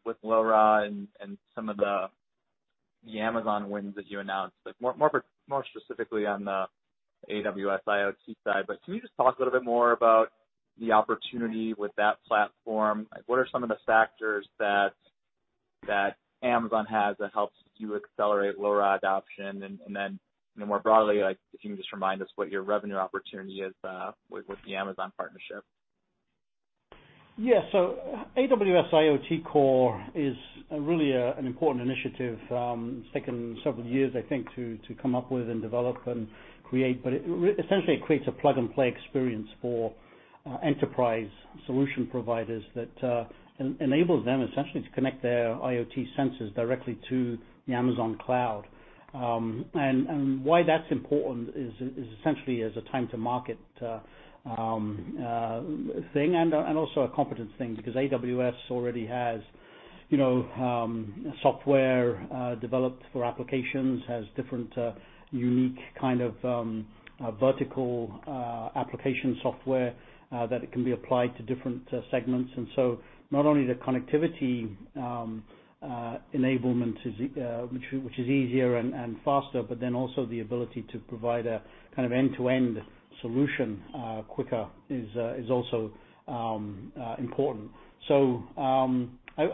with LoRa and some of the Amazon wins that you announced, but more specifically on the AWS IoT side, can you just talk a little bit more about the opportunity with that platform? What are some of the factors that Amazon has that helps you accelerate LoRa adoption? More broadly, if you can just remind us what your revenue opportunity is with the Amazon partnership. Yeah. AWS IoT Core is really an important initiative. It's taken several years, I think, to come up with and develop and create. Essentially it creates a plug-and-play experience for enterprise solution providers that enables them essentially to connect their IoT sensors directly to the Amazon cloud. Why that's important is essentially as a time to market thing and also a competence thing, because AWS already has software developed for applications, has different unique kind of vertical application software that it can be applied to different segments. Not only the connectivity enablement, which is easier and faster, but then also the ability to provide a kind of end-to-end solution quicker is also important. I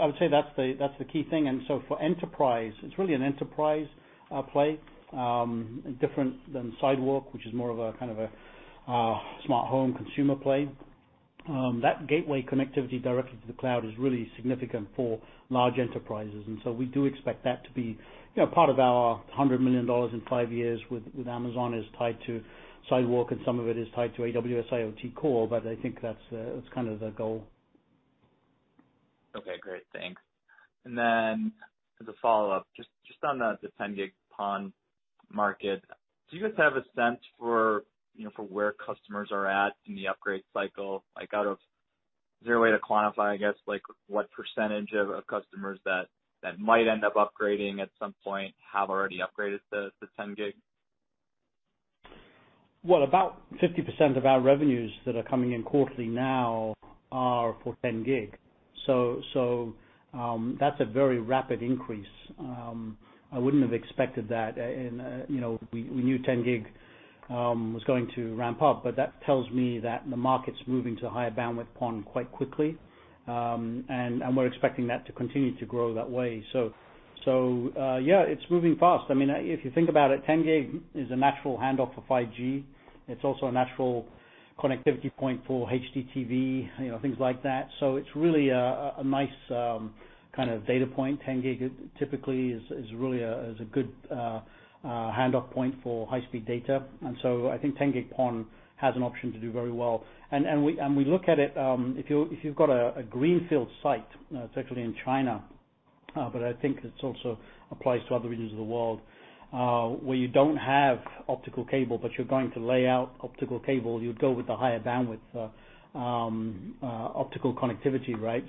would say that's the key thing. For enterprise, it's really an enterprise play, different than Sidewalk, which is more of a kind of a smart home consumer play. That gateway connectivity directly to the cloud is really significant for large enterprises. We do expect that to be part of our $100 million in five years with Amazon is tied to Sidewalk and some of it is tied to AWS IoT Core, but I think that's kind of the goal. Okay, great. Thanks. As a follow-up, just on the 10G PON market, do you guys have a sense for where customers are at in the upgrade cycle? Is there a way to quantify, I guess, what percentage of customers that might end up upgrading at some point have already upgraded to 10G? About 50% of our revenues that are coming in quarterly now are for 10G. That's a very rapid increase. I wouldn't have expected that. We knew 10G was going to ramp up, but that tells me that the market's moving to higher bandwidth PON quite quickly. We're expecting that to continue to grow that way. Yeah, it's moving fast. If you think about it, 10G is a natural handoff for 5G. It's also a natural connectivity point for HDTV, things like that. It's really a nice kind of data point. 10G typically is a good handoff point for high-speed data. I think 10G PON has an option to do very well. We look at it, if you've got a greenfield site, it's actually in China, but I think it also applies to other regions of the world, where you don't have optical cable, but you're going to lay out optical cable, you'd go with the higher bandwidth, optical connectivity, right?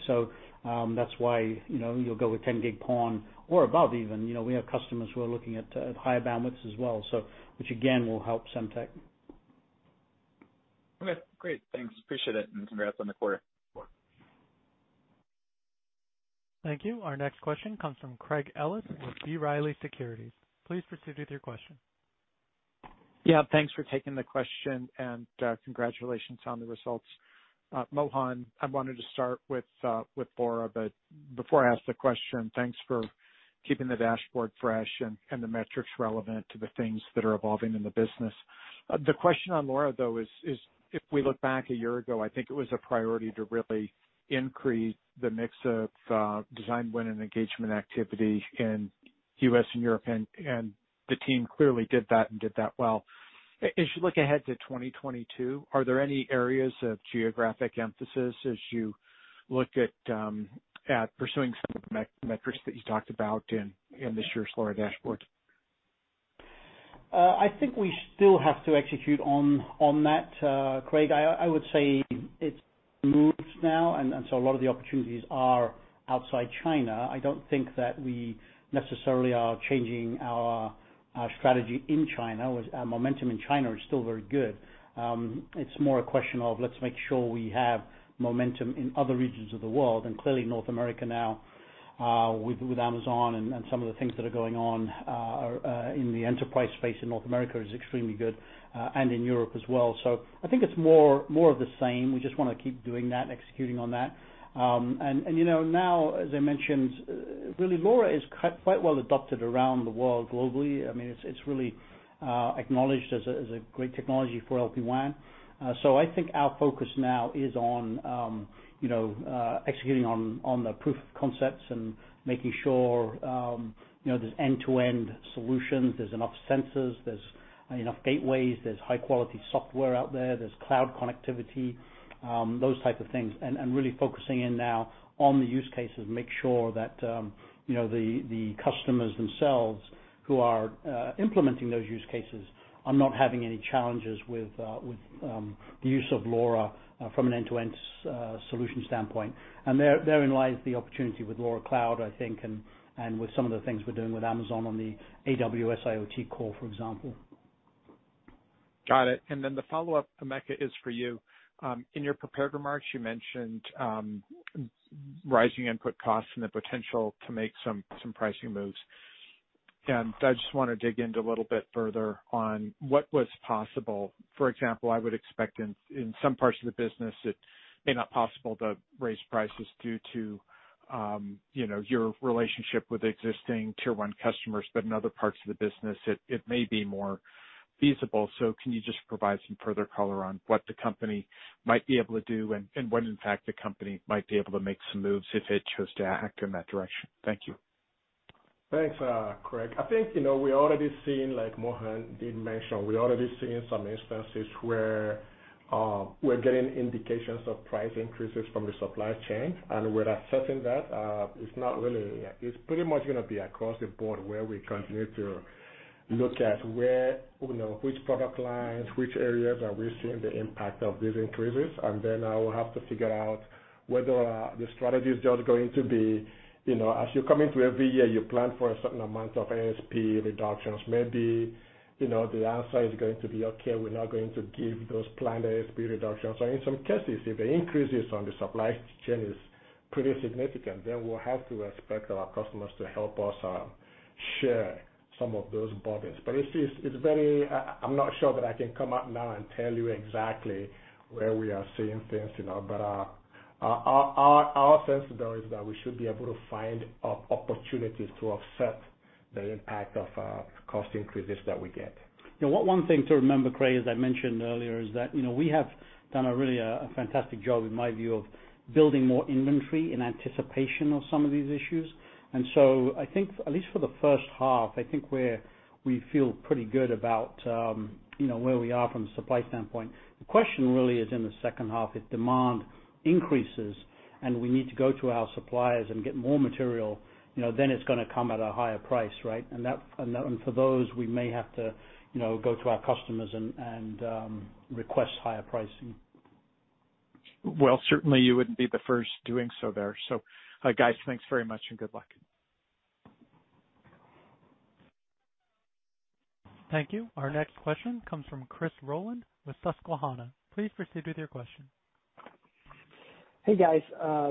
That's why you'll go with 10G PON or above even. We have customers who are looking at higher bandwidths as well, which again, will help Semtech. Okay, great. Thanks. Appreciate it. Congrats on the quarter. Thank you. Our next question comes from Craig Ellis with B. Riley Securities. Please proceed with your question. Yeah. Thanks for taking the question and congratulations on the results. Mohan, I wanted to start with LoRa, but before I ask the question, thanks for keeping the dashboard fresh and the metrics relevant to the things that are evolving in the business. The question on LoRa, though, is if we look back a year ago, I think it was a priority to really increase the mix of design win and engagement activity in U.S. and Europe, and the team clearly did that and did that well. As you look ahead to 2022, are there any areas of geographic emphasis as you look at pursuing some of the metrics that you talked about in this year's LoRa dashboard? I think we still have to execute on that, Craig. I would say it's moved now, a lot of the opportunities are outside China. I don't think that we necessarily are changing our strategy in China. Our momentum in China is still very good. It's more a question of let's make sure we have momentum in other regions of the world. Clearly North America now, with Amazon and some of the things that are going on in the enterprise space in North America is extremely good, and in Europe as well. I think it's more of the same. We just want to keep doing that and executing on that. Now, as I mentioned, really LoRa is quite well adopted around the world globally. It's really acknowledged as a great technology for LPWAN. I think our focus now is on executing on the proof of concepts and making sure there's end-to-end solutions, there's enough sensors, there's enough gateways, there's high-quality software out there's cloud connectivity, those type of things. Really focusing in now on the use cases, make sure that the customers themselves who are implementing those use cases are not having any challenges with the use of LoRa from an end-to-end solution standpoint. Therein lies the opportunity with LoRa Cloud, I think, and with some of the things we're doing with Amazon on the AWS IoT Core, for example. Got it. The follow-up, Emeka, is for you. In your prepared remarks, you mentioned rising input costs and the potential to make some pricing moves. I just want to dig in a little bit further on what was possible. For example, I would expect in some parts of the business, it may not be possible to raise prices due to your relationship with existing tier one customers. In other parts of the business, it may be more feasible. Can you just provide some further color on what the company might be able to do and when, in fact, the company might be able to make some moves if it chose to act in that direction? Thank you. Thanks, Craig. I think we already seen, like Mohan did mention, we already seeing some instances where we're getting indications of price increases from the supply chain. We're assessing that. It's pretty much going to be across the board where we continue to look at which product lines, which areas are we seeing the impact of these increases. Then we'll have to figure out whether the strategy is just going to be, as you come into every year, you plan for a certain amount of ASP reductions. Maybe, the answer is going to be, "Okay, we're not going to give those planned ASP reductions." In some cases, if the increases on the supply chain is pretty significant, then we'll have to expect our customers to help us share some of those burdens. I'm not sure that I can come out now and tell you exactly where we are seeing things. Our sense, though, is that we should be able to find opportunities to offset the impact of cost increases that we get. One thing to remember, Craig, as I mentioned earlier, is that, we have done a really fantastic job, in my view, of building more inventory in anticipation of some of these issues. I think, at least for the first half, I think we feel pretty good about where we are from a supply standpoint. The question really is in the second half. If demand increases and we need to go to our suppliers and get more material, then it's going to come at a higher price, right? For those, we may have to go to our customers and request higher pricing. Well, certainly you wouldn't be the first doing so there. Guys, thanks very much and good luck. Thank you. Our next question comes from Chris Rolland with Susquehanna. Please proceed with your question. Hey, guys.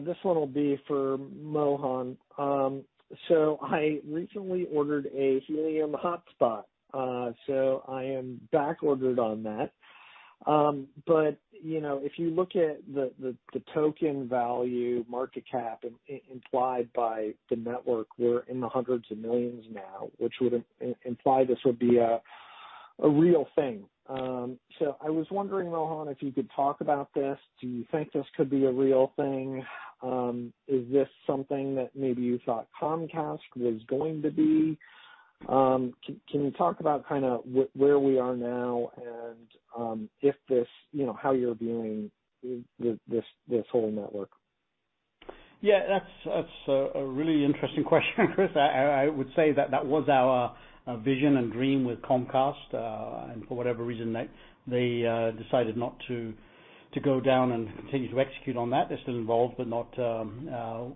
This one will be for Mohan. I recently ordered a Helium hotspot. I am back ordered on that. If you look at the token value market cap implied by the network, we're in the hundreds of millions now, which would imply this would be a real thing. I was wondering, Mohan, if you could talk about this. Do you think this could be a real thing? Is this something that maybe you thought Comcast was going to be? Can you talk about where we are now and how you're viewing this whole network? That's a really interesting question, Chris. I would say that that was our vision and dream with Comcast. For whatever reason, they decided not to go down and continue to execute on that. They're still involved, but not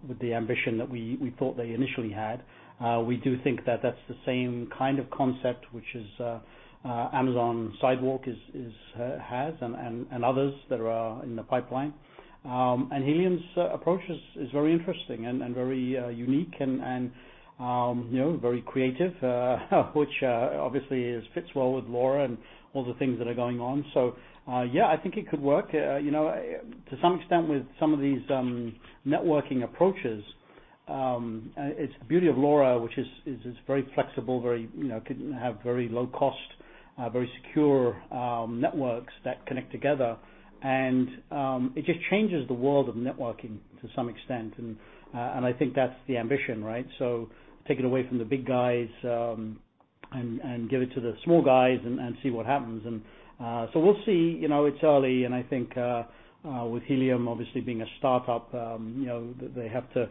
with the ambition that we thought they initially had. We do think that that's the same kind of concept, which is Amazon Sidewalk has and others that are in the pipeline. Helium's approach is very interesting and very unique and very creative, which obviously fits well with LoRa and all the things that are going on. Yeah, I think it could work. To some extent with some of these networking approaches, it's the beauty of LoRa, which is it's very flexible, can have very low cost, very secure networks that connect together, and it just changes the world of networking to some extent. I think that's the ambition, right? So take it away from the big guys and give it to the small guys and see what happens. We'll see. It's early, and I think with Helium obviously being a startup they have to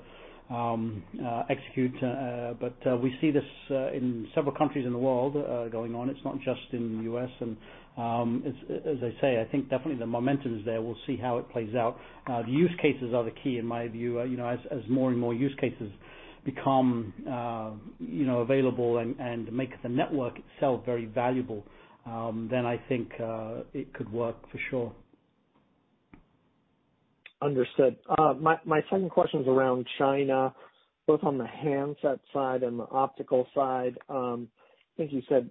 execute. We see this in several countries in the world going on. It's not just in the U.S. As I say, I think definitely the momentum is there. We'll see how it plays out. The use cases are the key in my view. As more and more use cases become available and make the network itself very valuable, then I think it could work for sure. Understood. My second question is around China, both on the handset side and the optical side. I think you said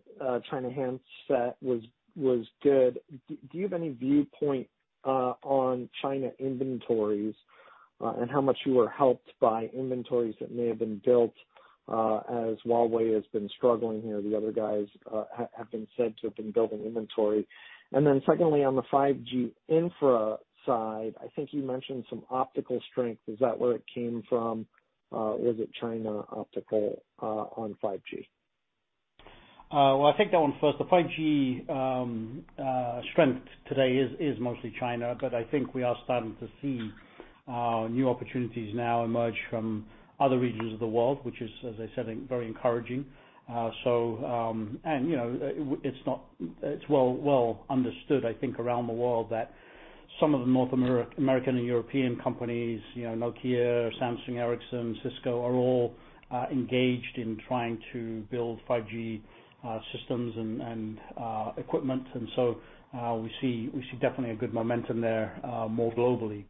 China handset was good. Do you have any viewpoint on China inventories and how much you were helped by inventories that may have been built as Huawei has been struggling here? The other guys have been said to have been building inventory. Secondly, on the 5G infra side, I think you mentioned some optical strength. Is that where it came from? Was it China optical on 5G? Well, I'll take that one first. The 5G strength today is mostly China, but I think we are starting to see new opportunities now emerge from other regions of the world, which is, as I said, very encouraging. It's well understood, I think, around the world, that some of the North American and European companies, Nokia, Samsung, Ericsson, Cisco, are all engaged in trying to build 5G systems and equipment. We see definitely a good momentum there more globally.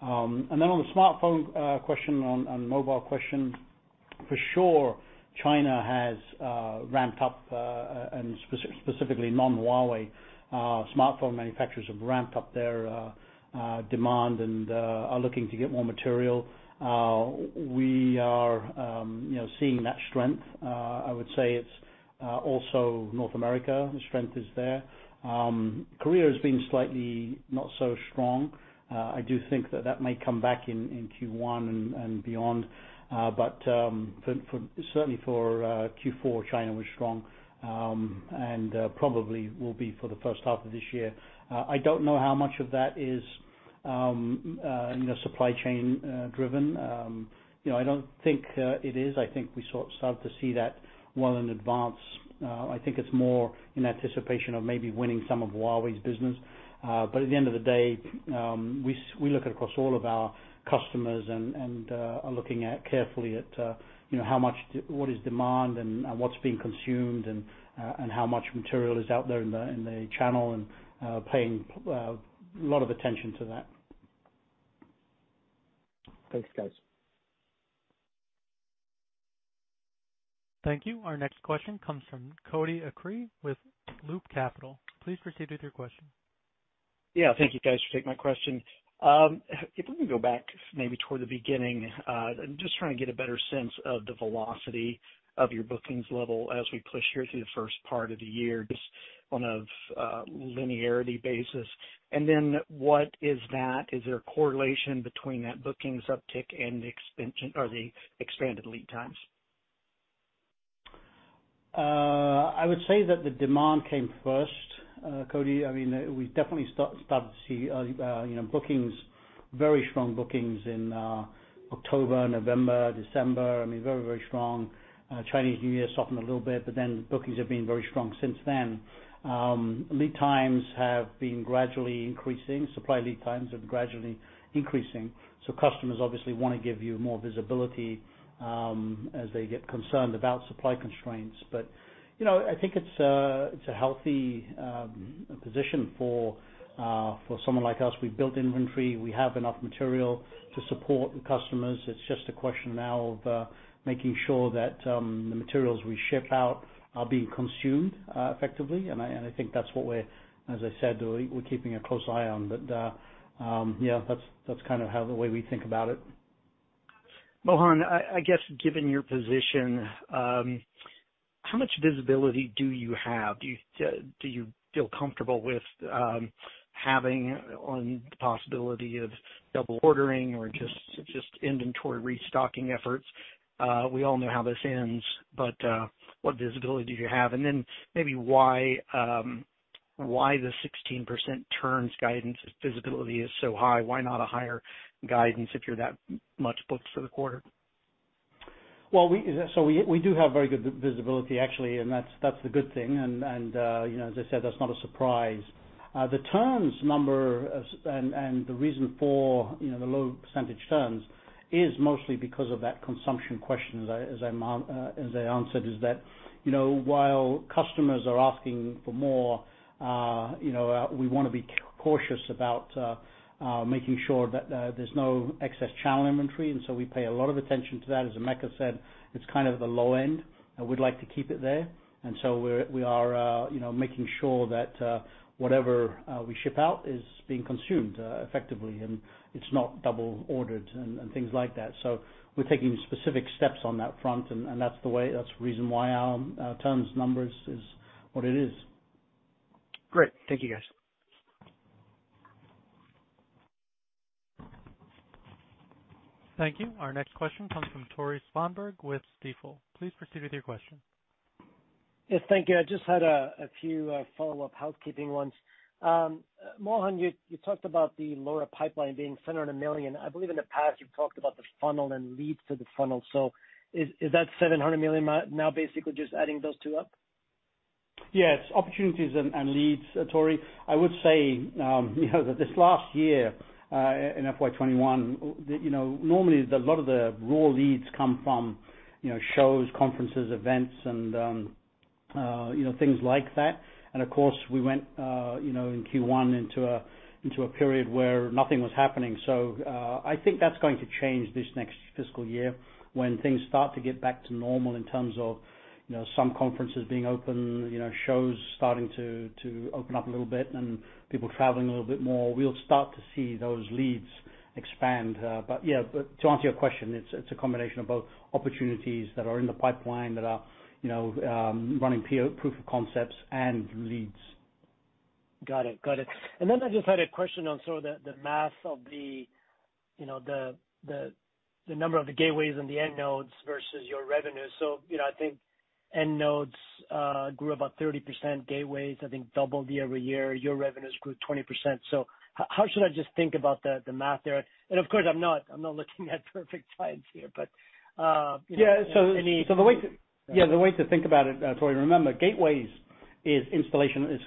On the smartphone question, on mobile question, for sure, China has ramped up, and specifically non-Huawei smartphone manufacturers have ramped up their demand and are looking to get more material. We are seeing that strength. I would say it's also North America, the strength is there. Korea has been slightly not so strong. I do think that that may come back in Q1 and beyond. Certainly for Q4, China was strong, and probably will be for the first half of this year. I don't know how much of that is supply chain driven. I don't think it is. I think we sort of started to see that well in advance. I think it's more in anticipation of maybe winning some of Huawei's business. At the end of the day, we look across all of our customers and are looking at carefully at what is demand and what's being consumed and how much material is out there in the channel, and paying a lot of attention to that. Thanks, guys. Thank you. Our next question comes from Cody Acree with Loop Capital. Please proceed with your question. Thank you guys for taking my question. If we can go back maybe toward the beginning, I'm just trying to get a better sense of the velocity of your bookings level as we push here through the first part of the year, just on a linearity basis. What is that? Is there a correlation between that bookings uptick and the expanded lead times? I would say that the demand came first, Cody. We definitely started to see bookings, very strong bookings, in October, November, December. Very, very strong. Chinese New Year softened a little bit. Bookings have been very strong since then. Lead times have been gradually increasing. Supply lead times have been gradually increasing. Customers obviously want to give you more visibility as they get concerned about supply constraints. I think it's a healthy position for someone like us. We've built inventory. We have enough material to support the customers. It's just a question now of making sure that the materials we ship out are being consumed effectively. I think that's what, as I said, we're keeping a close eye on. That's kind of the way we think about it. Mohan, I guess, given your position, how much visibility do you have? Do you feel comfortable with having on the possibility of double ordering or just inventory restocking efforts? We all know how this ends, what visibility do you have? Maybe why the 16% turns guidance visibility is so high? Why not a higher guidance if you're that much booked for the quarter? We do have very good visibility, actually, and that's the good thing. As I said, that's not a surprise. The turns number and the reason for the low percentage turns is mostly because of that consumption question, as I answered, is that, while customers are asking for more, we want to be cautious about making sure that there's no excess channel inventory. We pay a lot of attention to that. As Emeka said, it's kind of the low end, and we'd like to keep it there. We are making sure that whatever we ship out is being consumed effectively, and it's not double ordered and things like that. We're taking specific steps on that front, and that's the reason why our turns numbers is what it is. Great. Thank you, guys. Thank you. Our next question comes from Tore Svanberg with Stifel. Please proceed with your question. Yes. Thank you. I just had a few follow-up housekeeping ones. Mohan, you talked about the LoRa pipeline being $700 million. I believe in the past, you've talked about the funnel and leads to the funnel. Is that $700 million now basically just adding those two up? Yes. Opportunities and leads, Tore. I would say that this last year, in FY 2021, normally a lot of the raw leads come from shows, conferences, events, and things like that. Of course, we went, in Q1, into a period where nothing was happening. I think that's going to change this next fiscal year when things start to get back to normal in terms of some conferences being open, shows starting to open up a little bit, and people traveling a little bit more. We'll start to see those leads expand. Yeah, to answer your question, it's a combination of both opportunities that are in the pipeline that are running proof of concepts and leads. Got it. I just had a question on sort of the math of the number of the gateways and the end nodes versus your revenue. I think end nodes grew about 30%, gateways, I think, doubled YoY. Your revenues grew 20%. How should I just think about the math there? Of course, I'm not looking at perfect science here. Yeah. Any- The way to think about it, Tore, remember, gateways is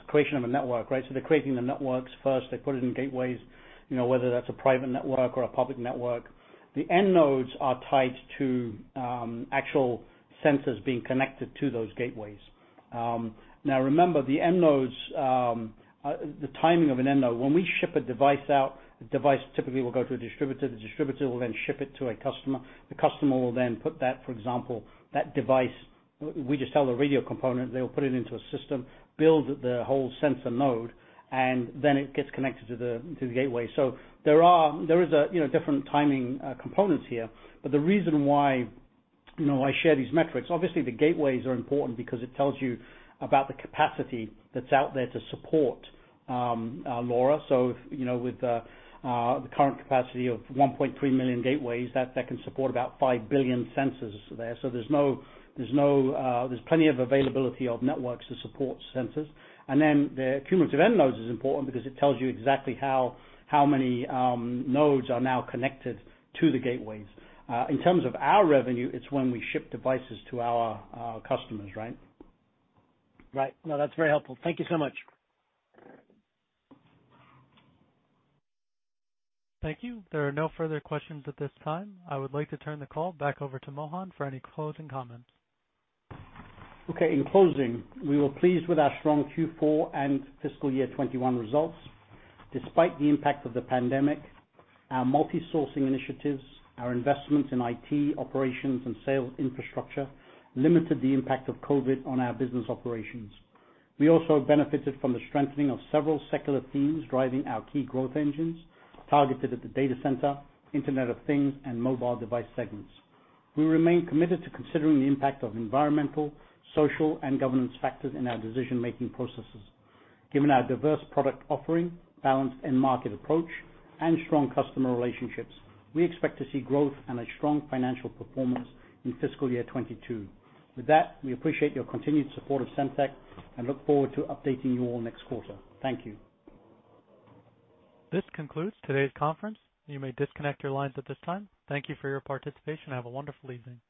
creation of a network, right? They're creating the networks first. They put it in gateways, whether that's a private network or a public network. The end nodes are tied to actual sensors being connected to those gateways. Remember, the timing of an end node, when we ship a device out, the device typically will go to a distributor. The distributor will then ship it to a customer. The customer will then put that, for example, that device, we just sell the radio component. They'll put it into a system, build the whole sensor node, and then it gets connected to the gateway. There is different timing components here. The reason why I share these metrics, obviously, the gateways are important because it tells you about the capacity that's out there to support LoRa. With the current capacity of 1.3 million gateways, that can support about 5 billion sensors there. There's plenty of availability of networks to support sensors. The cumulative end nodes is important because it tells you exactly how many nodes are now connected to the gateways. In terms of our revenue, it's when we ship devices to our customers, right? Right. No, that's very helpful. Thank you so much. Thank you. There are no further questions at this time. I would like to turn the call back over to Mohan for any closing comments. In closing, we were pleased with our strong Q4 and fiscal year 2021 results. Despite the impact of the pandemic, our multi-sourcing initiatives, our investment in IT, operations, and sales infrastructure limited the impact of COVID on our business operations. We also benefited from the strengthening of several secular themes driving our key growth engines targeted at the data center, Internet of Things, and mobile device segments. We remain committed to considering the impact of environmental, social, and governance factors in our decision-making processes. Given our diverse product offering, balanced end market approach, and strong customer relationships, we expect to see growth and a strong financial performance in fiscal year 2022. We appreciate your continued support of Semtech and look forward to updating you all next quarter. Thank you. This concludes today's conference. You may disconnect your lines at this time. Thank you for your participation. Have a wonderful evening.